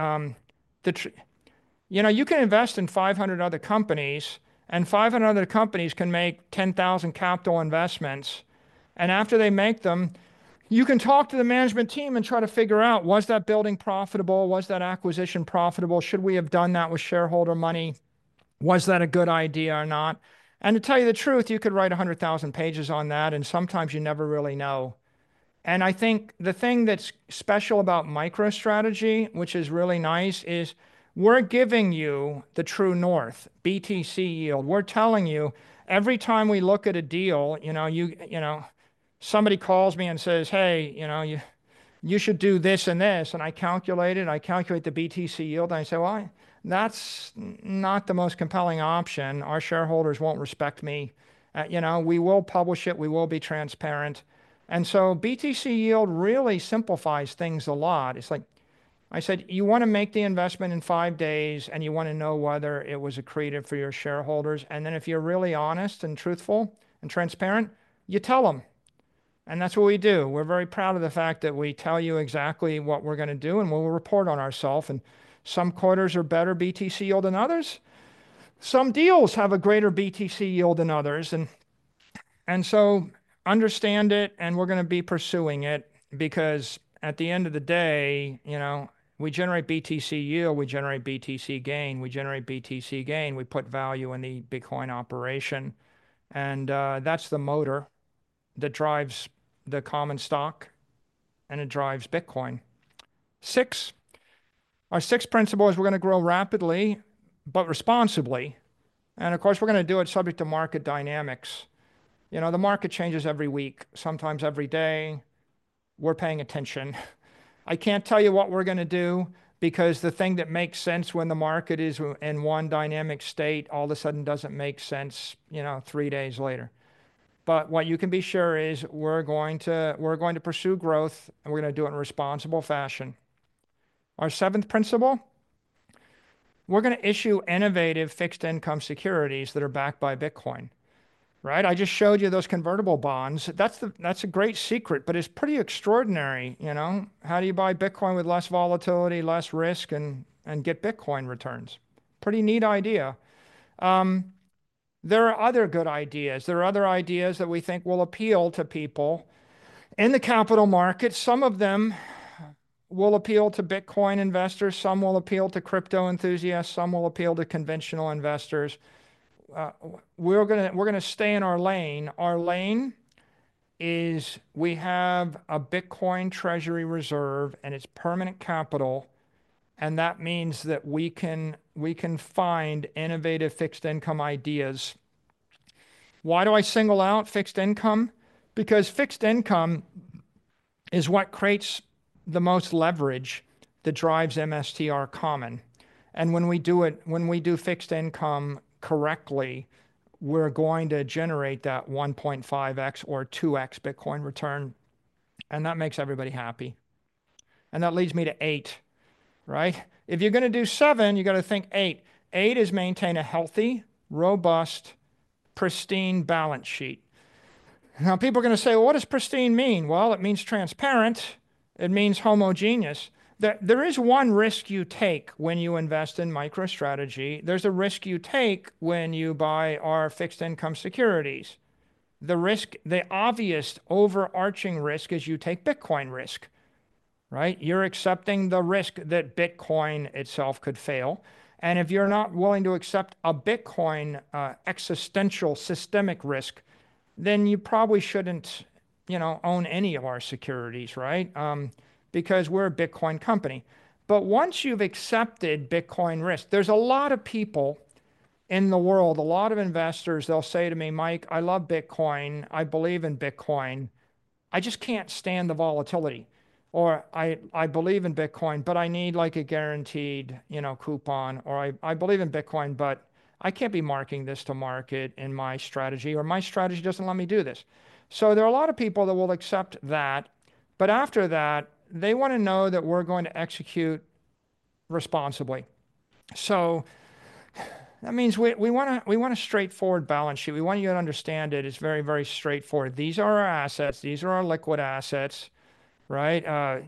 you know, you can invest in 500 other companies and 500 other companies can make 10,000 capital investments. And after they make them, you can talk to the management team and try to figure out, was that building profitable? Was that acquisition profitable? Should we have done that with shareholder money? Was that a good idea or not? And to tell you the truth, you could write a hundred thousand pages on that and sometimes you never really know. And I think the thing that's special about MicroStrategy, which is really nice, is we're giving you the true north BTC Yield. We're telling you every time we look at a deal, you know, somebody calls me and says, hey, you know, you should do this and this. And I calculate it. I calculate the BTC Yield. And I say, well, that's not the most compelling option. Our shareholders won't respect me. You know, we will publish it. We will be transparent. And so BTC Yield really simplifies things a lot. It's like I said, you want to make the investment in five days and you want to know whether it was accretive for your shareholders. And then if you're really honest and truthful and transparent, you tell them. And that's what we do. We're very proud of the fact that we tell you exactly what we're going to do and we'll report on ourself. And some quarters are better BTC Yield than others. Some deals have a greater BTC Yield than others. And, and so understand it. And we're going to be pursuing it because at the end of the day, you know, we generate BTC Yield. We generate BTC gain. We generate BTC gain. We put value in the Bitcoin operation. And that's the motor that drives the common stock and it drives Bitcoin. Six, our six principles, we're going to grow rapidly, but responsibly. Of course, we're going to do it subject to market dynamics. You know, the market changes every week, sometimes every day. We're paying attention. I can't tell you what we're going to do because the thing that makes sense when the market is in one dynamic state all of a sudden doesn't make sense, you know, three days later. But what you can be sure is we're going to, we're going to pursue growth and we're going to do it in a responsible fashion. Our seventh principle, we're going to issue innovative fixed income securities that are backed by Bitcoin, right? I just showed you those convertible bonds. That's the, that's a great secret, but it's pretty extraordinary. You know, how do you buy Bitcoin with less volatility, less risk, and, and get Bitcoin returns? Pretty neat idea. There are other good ideas. There are other ideas that we think will appeal to people in the capital market. Some of them will appeal to Bitcoin investors. Some will appeal to crypto enthusiasts. Some will appeal to conventional investors. We're going to stay in our lane. Our lane is we have a Bitcoin treasury reserve and it's permanent capital. And that means that we can find innovative fixed income ideas. Why do I single out fixed income? Because fixed income is what creates the most leverage that drives MSTR common. And when we do fixed income correctly, we're going to generate that 1.5x or 2x Bitcoin return. And that makes everybody happy. And that leads me to eight, right? If you're going to do seven, you got to think eight. Eight is maintain a healthy, robust, pristine balance sheet. Now people are going to say, well, what does pristine mean? Well, it means transparent. It means homogeneous. There is one risk you take when you invest in MicroStrategy. There's a risk you take when you buy our fixed income securities. The risk, the obvious overarching risk is you take Bitcoin risk, right? You're accepting the risk that Bitcoin itself could fail. And if you're not willing to accept a Bitcoin existential systemic risk, then you probably shouldn't, you know, own any of our securities, right? Because we're a Bitcoin company. But once you've accepted Bitcoin risk, there's a lot of people in the world, a lot of investors, they'll say to me, Mike, I love Bitcoin. I believe in Bitcoin. I just can't stand the volatility. Or I believe in Bitcoin, but I need like a guaranteed, you know, coupon. Or I believe in Bitcoin, but I can't be marking this to market in my strategy or my strategy doesn't let me do this. So there are a lot of people that will accept that. But after that, they want to know that we're going to execute responsibly. So that means we want a straightforward balance sheet. We want you to understand it. It's very, very straightforward. These are our assets. These are our liquid assets, right?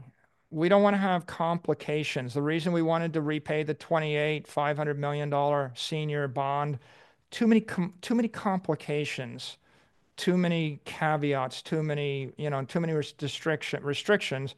We don't want to have complications. The reason we wanted to repay the $650 million senior bond. Too many complications, too many caveats, too many restrictions,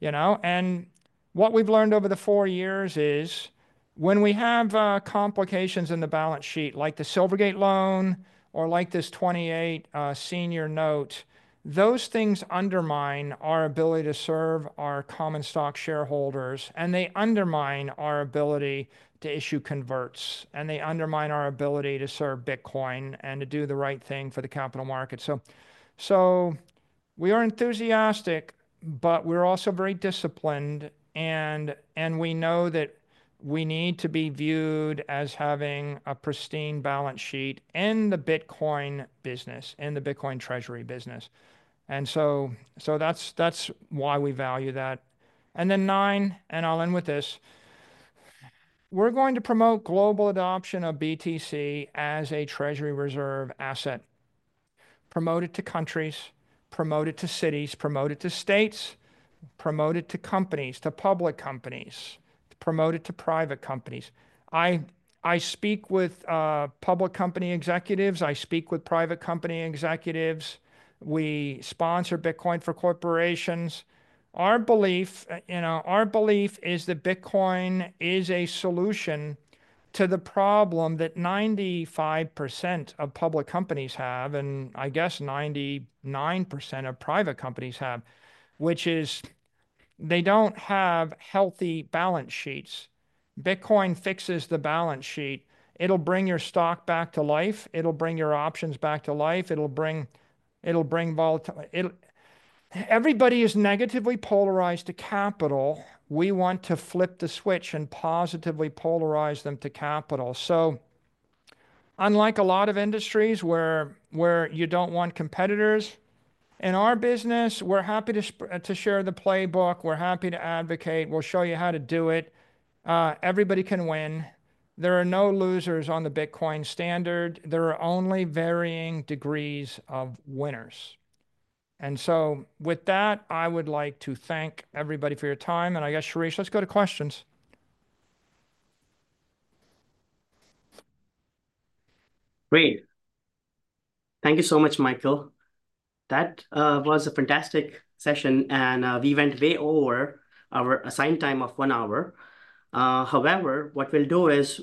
you know. And what we've learned over the four years is when we have complications in the balance sheet, like the Silvergate loan or like this 28 senior note, those things undermine our ability to serve our common stock shareholders. And they undermine our ability to issue converts. And they undermine our ability to serve Bitcoin and to do the right thing for the capital market. So we are enthusiastic, but we're also very disciplined. And we know that we need to be viewed as having a pristine balance sheet in the Bitcoin business, in the Bitcoin treasury business. So that's why we value that. And then nine, and I'll end with this. We're going to promote global adoption of BTC as a treasury reserve asset, promote it to countries, promote it to cities, promote it to states, promote it to companies, to public companies, promote it to private companies. I, I speak with public company executives. I speak with private company executives. We sponsor Bitcoin for Corporations. Our belief, you know, our belief is that Bitcoin is a solution to the problem that 95% of public companies have and I guess 99% of private companies have, which is they don't have healthy balance sheets. Bitcoin fixes the balance sheet. It'll bring your stock back to life. It'll bring your options back to life. It'll bring, it'll bring volatile. Everybody is negatively polarized to capital. We want to flip the switch and positively polarize them to capital. So unlike a lot of industries where you don't want competitors in our business, we're happy to share the playbook. We're happy to advocate. We'll show you how to do it. Everybody can win. There are no losers on the Bitcoin standard. There are only varying degrees of winners. And so with that, I would like to thank everybody for your time. And I guess, Shirish, let's go to questions. Great. Thank you so much, Michael. That was a fantastic session and we went way over our assigned time of one hour. However, what we'll do is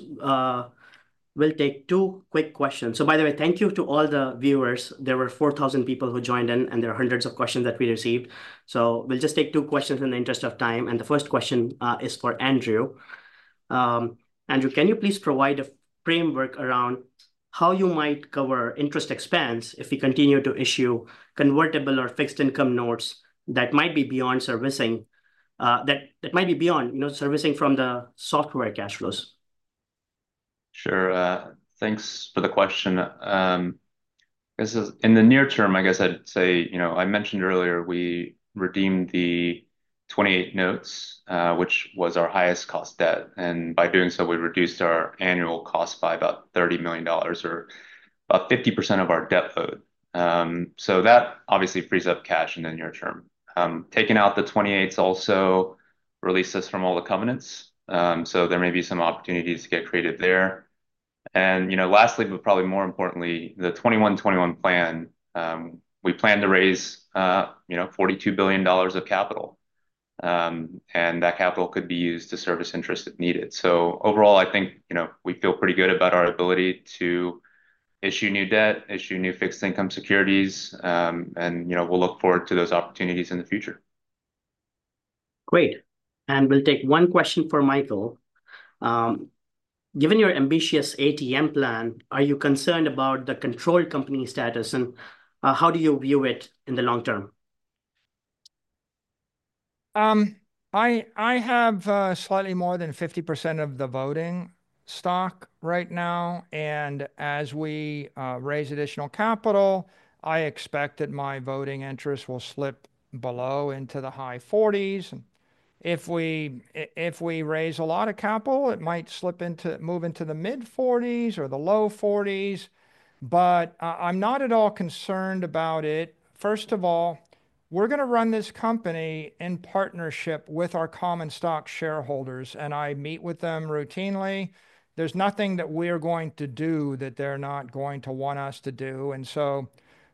we'll take two quick questions. So by the way, thank you to all the viewers. There were 4,000 people who joined in and there are hundreds of questions that we received. So we'll just take two questions in the interest of time. And the first question is for Andrew. Andrew, can you please provide a framework around how you might cover interest expense if we continue to issue convertible or fixed income notes that might be beyond servicing, that might be beyond, you know, servicing from the software cash flows? Sure. Thanks for the question. This is in the near term, I guess I'd say, you know, I mentioned earlier we redeemed the 28 notes, which was our highest cost debt. And by doing so, we reduced our annual cost by about $30 million or about 50% of our debt load. So that obviously frees up cash in the near term. Taking out the 28s also releases from all the covenants. So there may be some opportunities to get creative there. And you know, lastly, but probably more importantly, the 21/21 Plan. We plan to raise, you know, $42 billion of capital. That capital could be used to service interest if needed. Overall, I think, you know, we feel pretty good about our ability to issue new debt, issue new fixed income securities. You know, we'll look forward to those opportunities in the future. Great. We'll take one question for Michael. Given your ambitious ATM plan, are you concerned about the controlled company status and how do you view it in the long term? I have slightly more than 50% of the voting stock right now. As we raise additional capital, I expect that my voting interest will slip below into the high forties. If we raise a lot of capital, it might slip into, move into the mid forties or the low forties. But I'm not at all concerned about it. First of all, we're going to run this company in partnership with our common stock shareholders, and I meet with them routinely. There's nothing that we are going to do that they're not going to want us to do,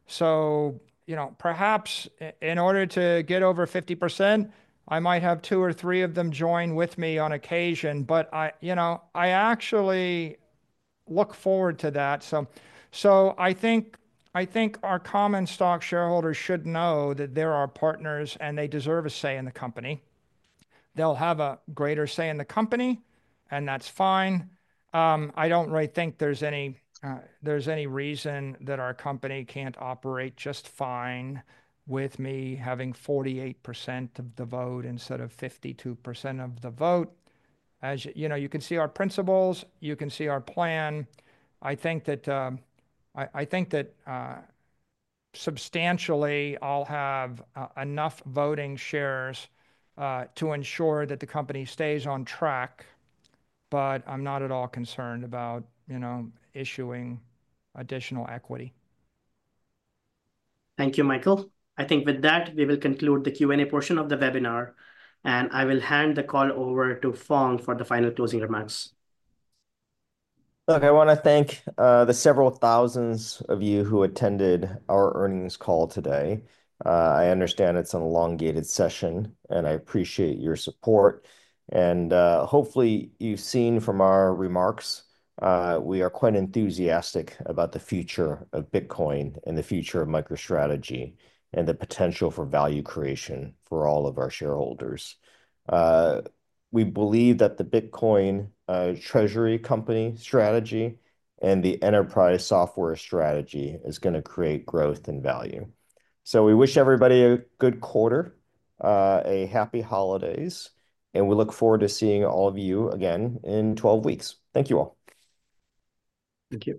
so you know, perhaps in order to get over 50%, I might have two or three of them join with me on occasion, but you know, I actually look forward to that. I think our common stock shareholders should know that they're our partners and they deserve a say in the company. They'll have a greater say in the company, and that's fine. I don't really think there's any reason that our company can't operate just fine with me having 48% of the vote instead of 52% of the vote. As you know, you can see our principles, you can see our plan. I think that substantially I'll have enough voting shares to ensure that the company stays on track. But I'm not at all concerned about, you know, issuing additional equity. Thank you, Michael. I think with that, we will conclude the Q&A portion of the webinar. I will hand the call over to Phong for the final closing remarks. Look, I want to thank the several thousands of you who attended our earnings call today. I understand it's an elongated session and I appreciate your support. Hopefully you've seen from our remarks, we are quite enthusiastic about the future of Bitcoin and the future of MicroStrategy and the potential for value creation for all of our shareholders. We believe that the Bitcoin treasury company strategy and the enterprise software strategy is going to create growth and value. So we wish everybody a good quarter, a happy holidays, and we look forward to seeing all of you again in 12 weeks. Thank you all. Thank you.